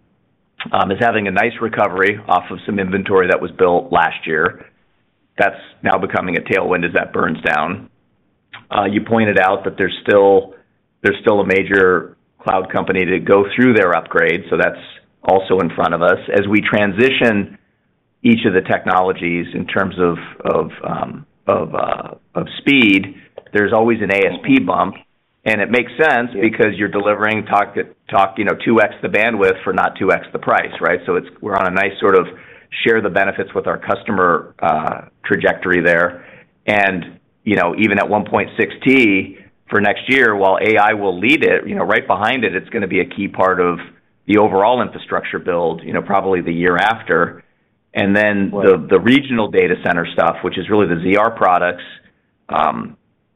is having a nice recovery off of some inventory that was built last year. That's now becoming a tailwind as that burns down. You pointed out that there's still a major cloud company to go through their upgrade, so that's also in front of us. As we transition each of the technologies in terms of speed, there's always an ASP bump, and it makes sense because you're delivering, you know, 2x the bandwidth for not 2x the price, right? So it's we're on a nice sort of share the benefits with our customer trajectory there. And, you know, even at 1.6T for next year, while AI will lead it, you know, right behind it, it's gonna be a key part of the overall infrastructure build, you know, probably the year after. And then the regional data center stuff, which is really the ZR products,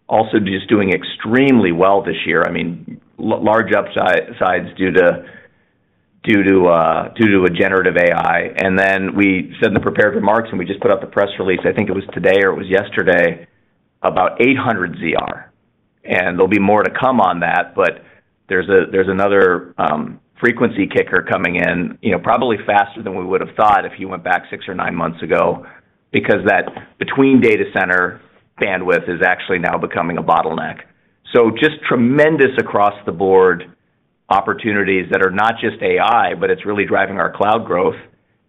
also just doing extremely well this year. I mean, large upsides due to a generative AI. And then we said in the prepared remarks, and we just put out the press release, I think it was today or it was yesterday, about 800ZR, and there'll be more to come on that, but there's a, there's another frequency kicker coming in, you know, probably faster than we would have thought if you went back six or nine months ago, because that between data center bandwidth is actually now becoming a bottleneck. So just tremendous across-the-board opportunities that are not just AI, but it's really driving our cloud growth,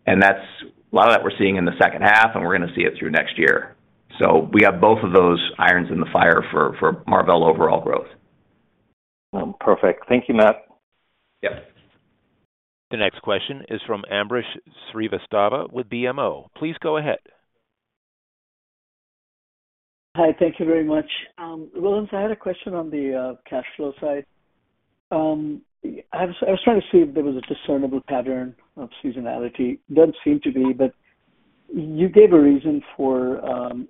and that's a lot of that we're seeing in the second half, and we're gonna see it through next year. So we have both of those irons in the fire for Marvell overall growth. Perfect. Thank you, Matt. Yep. The next question is from Ambrish Srivastava with BMO. Please go ahead. Hi, thank you very much. Willem, I had a question on the cash flow side. I was trying to see if there was a discernible pattern of seasonality. Doesn't seem to be, but you gave a reason for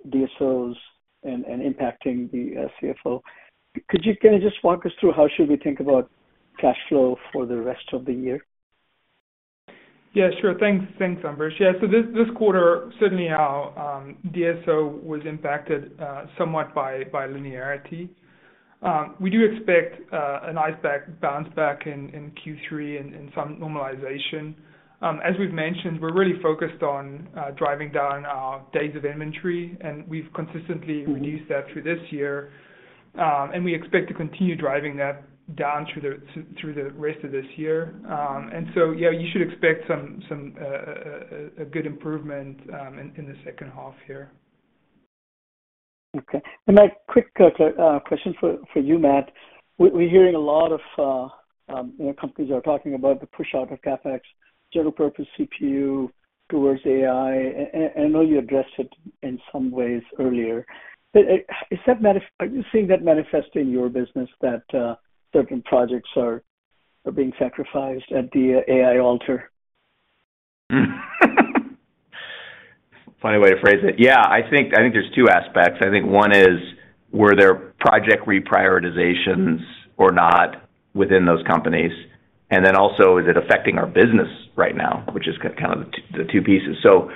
DSOs and impacting the CFO. Could you kinda just walk us through how should we think about cash flow for the rest of the year? Yeah, sure. Thanks, thanks, Ambrish. Yeah, so this quarter, certainly our DSO was impacted somewhat by linearity. We do expect a nice bounce back in Q3 and some normalization. As we've mentioned, we're really focused on driving down our days of inventory, and we've consistently reduced that through this year, and we expect to continue driving that down through the rest of this year. And so, yeah, you should expect some a good improvement in the second half here. Okay. And my quick question for you, Matt. We're hearing a lot of, you know, companies are talking about the push out of CapEx, general purpose CPU towards AI. And I know you addressed it in some ways earlier, but, is that? Are you seeing that manifest in your business, that certain projects are being sacrificed at the AI altar? Funny way to phrase it. Yeah, I think, I think there's two aspects. I think one is: were there project reprioritizations or not within those companies? And then also: is it affecting our business right now? Which is kind of the two, the two pieces. So,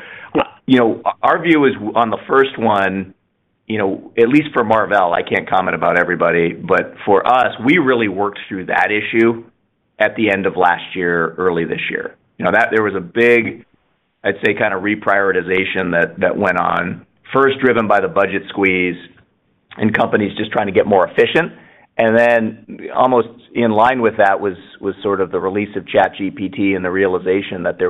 you know, our view is on the first one, you know, at least for Marvell, I can't comment about everybody, but for us, we really worked through that issue at the end of last year, early this year. You know, that there was a big, I'd say, kind of reprioritization that, that went on, first driven by the budget squeeze and companies just trying to get more efficient. And then almost in line with that was sort of the release of ChatGPT and the realization that there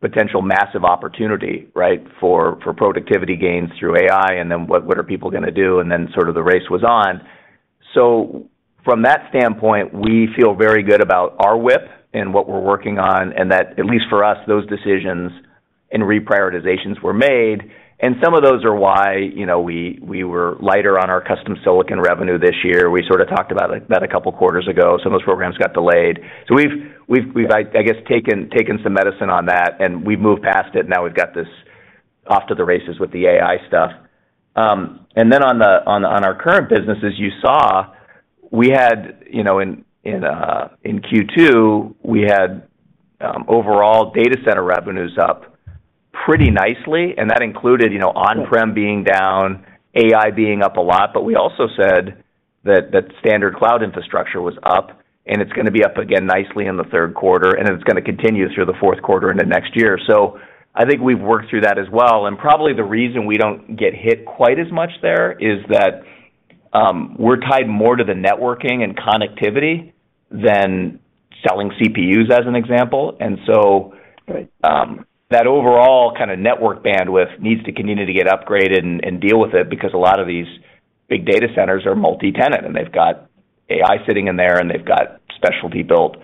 was this potential massive opportunity, right, for productivity gains through AI, and then what are people gonna do? And then sort of the race was on. So from that standpoint, we feel very good about our with and what we're working on, and that, at least for us, those decisions and reprioritizations were made, and some of those are why, you know, we were lighter on our custom silicon revenue this year. We sort of talked about it that a couple of quarters ago, some of those programs got delayed. So we've, I guess, taken some medicine on that and we've moved past it. Now we've got this off to the races with the AI stuff. And then on our current business, as you saw, we had, you know, in Q2, we had overall data center revenues up pretty nicely, and that included, you know, on-prem being down, AI being up a lot. But we also said that that standard cloud infrastructure was up, and it's gonna be up again nicely in the third quarter, and it's gonna continue through the fourth quarter into next year. So I think we've worked through that as well. And probably the reason we don't get hit quite as much there is that, we're tied more to the networking and connectivity than selling CPUs, as an example. And so- Right. That overall kind of network bandwidth needs to continue to get upgraded and deal with it, because a lot of these big data centers are multi-tenant, and they've got AI sitting in there, and they've got specialty-built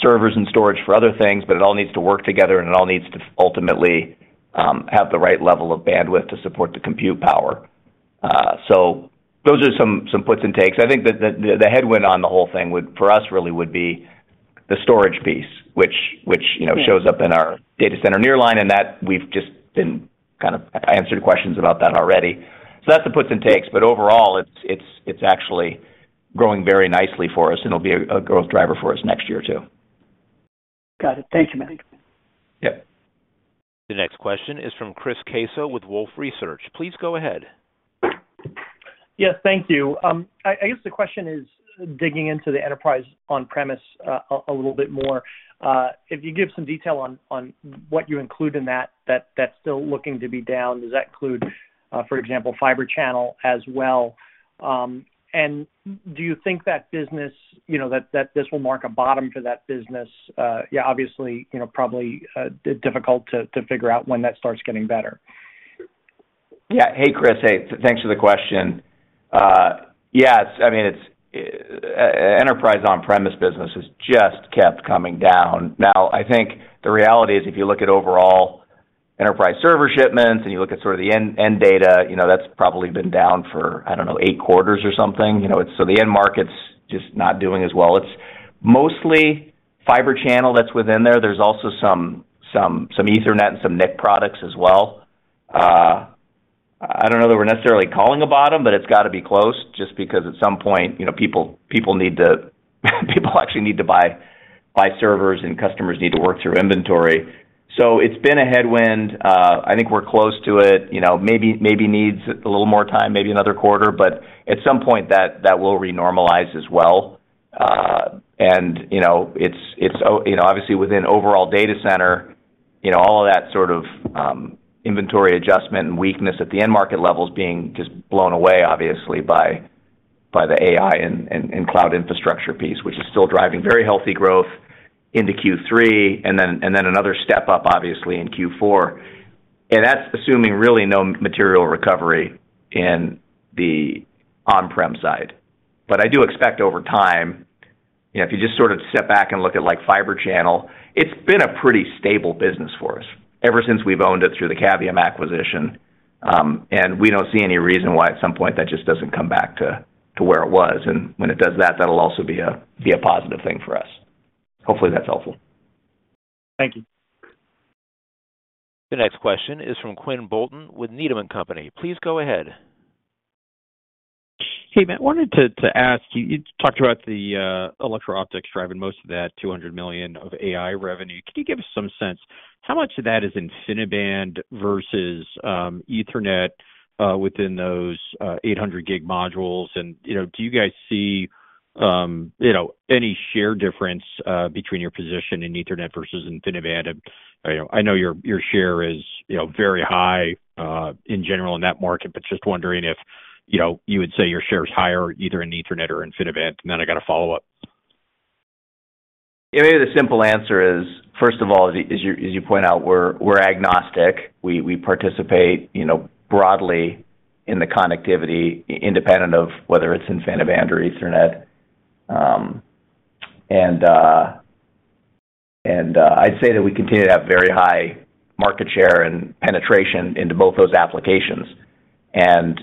servers and storage for other things, but it all needs to work together, and it all needs to ultimately have the right level of bandwidth to support the compute power. So those are some puts and takes. I think the headwind on the whole thing would, for us, really would be the storage piece, which, you know, shows up in our data center nearline, and that we've just been kind of - I answered questions about that already. So that's the puts and takes, but overall, it's actually-... growing very nicely for us, and it'll be a growth driver for us next year, too. Got it. Thank you, Matt. Yep. The next question is from Chris Caso with Wolfe Research. Please go ahead. Yes, thank you. I guess the question is digging into the enterprise on-premise a little bit more. If you give some detail on what you include in that, that's still looking to be down. Does that include, for example, Fibre Channel as well? And do you think that business, you know, that this will mark a bottom for that business? Yeah, obviously, you know, probably difficult to figure out when that starts getting better. Yeah. Hey, Chris. Hey, thanks for the question. Yes, I mean, it's enterprise on-premise business has just kept coming down. Now, I think the reality is, if you look at overall enterprise server shipments, and you look at sort of the end, end data, you know, that's probably been down for, I don't know, eight quarters or something. You know, it's so the end market's just not doing as well. It's mostly Fibre Channel that's within there. There's also some Ethernet and some NIC products as well. I don't know that we're necessarily calling a bottom, but it's gotta be close, just because at some point, you know, people actually need to buy servers and customers need to work through inventory. So it's been a headwind. I think we're close to it. You know, maybe, maybe needs a little more time, maybe another quarter, but at some point, that, that will re-normalize as well. And, you know, it's you know, obviously, within overall data center, you know, all of that sort of, inventory adjustment and weakness at the end market level is being just blown away, obviously, by, by the AI and, and cloud infrastructure piece, which is still driving very healthy growth into Q3, and then, and then another step up, obviously, in Q4. And that's assuming really no material recovery in the on-prem side. But I do expect over time. You know, if you just sort of step back and look at, like, Fibre Channel, it's been a pretty stable business for us ever since we've owned it through the Cavium acquisition. We don't see any reason why, at some point, that just doesn't come back to where it was. When it does that, that'll also be a positive thing for us. Hopefully, that's helpful. Thank you. The next question is from Quinn Bolton with Needham & Company. Please go ahead. Hey, Matt, wanted to ask you. You talked about the electro-optics driving most of that $200 million of AI revenue. Can you give us some sense how much of that is InfiniBand versus Ethernet within those 800 Gb modules? And, you know, do you guys see, you know, any share difference between your position in Ethernet versus InfiniBand? And, you know, I know your share is, you know, very high in general in that market, but just wondering if, you know, you would say your share is higher, either in Ethernet or InfiniBand. And then I got a follow-up. Maybe the simple answer is, first of all, as you point out, we're agnostic. We participate, you know, broadly in the connectivity, independent of whether it's InfiniBand or Ethernet. And I'd say that we continue to have very high market share and penetration into both those applications. And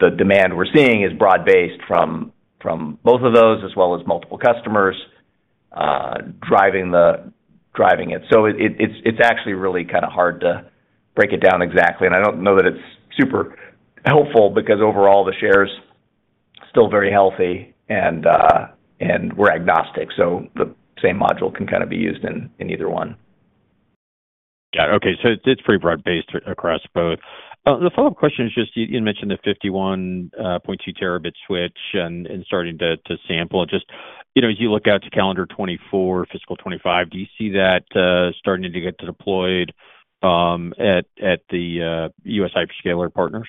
the demand we're seeing is broad-based from both of those, as well as multiple customers driving it. So it's actually really kind of hard to break it down exactly. And I don't know that it's super helpful because overall, the share is still very healthy, and we're agnostic, so the same module can kind of be used in either one. Got it. Okay. So it's, it's pretty broad-based across both. The follow-up question is just, you mentioned the 51.2 terabit switch and starting to sample. Just, you know, as you look out to calendar 2024, fiscal 2025, do you see that starting to get deployed at the U.S. hyperscaler partners?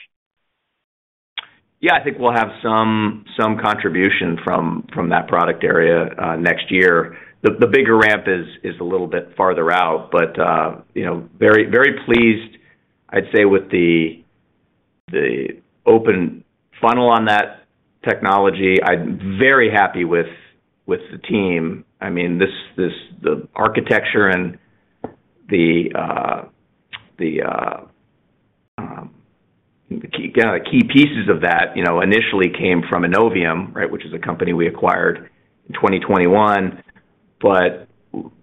Yeah, I think we'll have some contribution from that product area next year. The bigger ramp is a little bit farther out, but you know, very, very pleased, I'd say, with the open funnel on that technology. I'm very happy with the team. I mean, this, the architecture and the key pieces of that, you know, initially came from Innovium, right, which is a company we acquired in 2021. But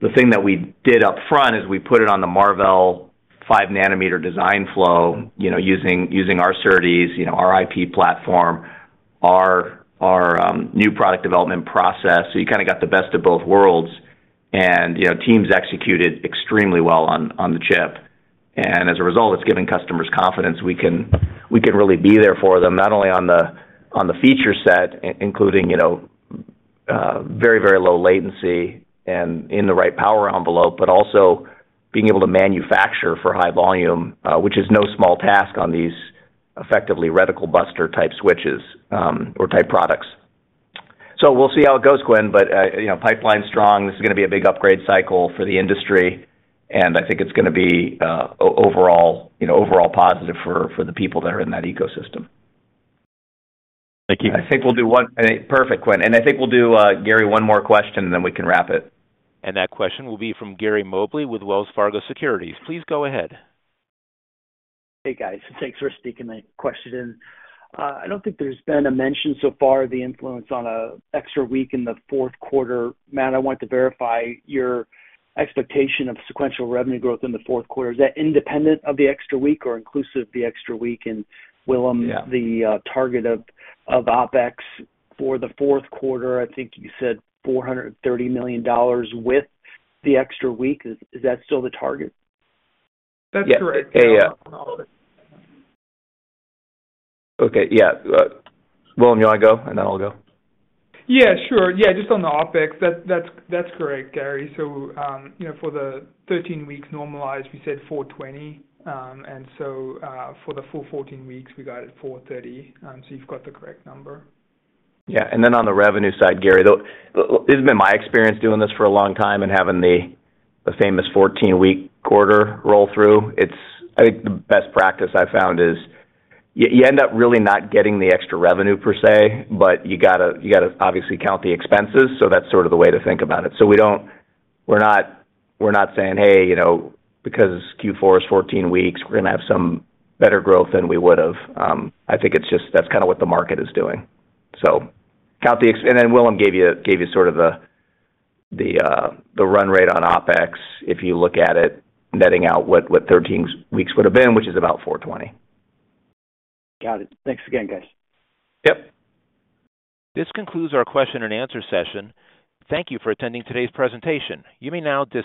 the thing that we did up front is we put it on the Marvell 5-nm design flow, you know, using our SerDes, you know, our IP platform, our new product development process. So you kind of got the best of both worlds, and you know, teams executed extremely well on the chip. As a result, it's giving customers confidence we can really be there for them, not only on the feature set, including, you know, very low latency and in the right power envelope, but also being able to manufacture for high volume, which is no small task on these effectively reticle buster-type switches or type products. So we'll see how it goes, Quinn, but you know, pipeline's strong. This is gonna be a big upgrade cycle for the industry, and I think it's gonna be overall, you know, overall positive for the people that are in that ecosystem. Thank you. I think we'll do one. Perfect, Quinn. And I think we'll do, Gary, one more question, and then we can wrap it. That question will be from Gary Mobley with Wells Fargo Securities. Please go ahead. Hey, guys. Thanks for sneaking my question in. I don't think there's been a mention so far of the influence of an extra week in the fourth quarter. Matt, I want to verify your expectation of sequential revenue growth in the fourth quarter. Is that independent of the extra week or inclusive of the extra week? And Willem- Yeah. The target of OpEx for the 4Q, I think you said $430 million with the extra week. Is that still the target? That's correct. Yeah. Yeah, yeah. Okay. Yeah. Willem, you want to go, and then I'll go? Yeah, sure. Yeah, just on the OpEx, that's correct, Gary. So, you know, for the 13 weeks normalized, we said $420. And so, for the full 14 weeks, we got it $430. So you've got the correct number. Yeah, and then on the revenue side, Gary, this has been my experience doing this for a long time and having the famous 14-week quarter roll through. It's. I think the best practice I've found is you end up really not getting the extra revenue per se, but you gotta obviously count the expenses, so that's sort of the way to think about it. So we don't. We're not saying, "Hey, you know, because Q4 is 14 weeks, we're gonna have some better growth than we would have." I think it's just that's kind of what the market is doing. So count the and then Willem gave you sort of the run rate on OpEx, if you look at it, netting out what 13 weeks would have been, which is about $420. Got it. Thanks again, guys. Yep. This concludes our question and answer session. Thank you for attending today's presentation. You may now dis-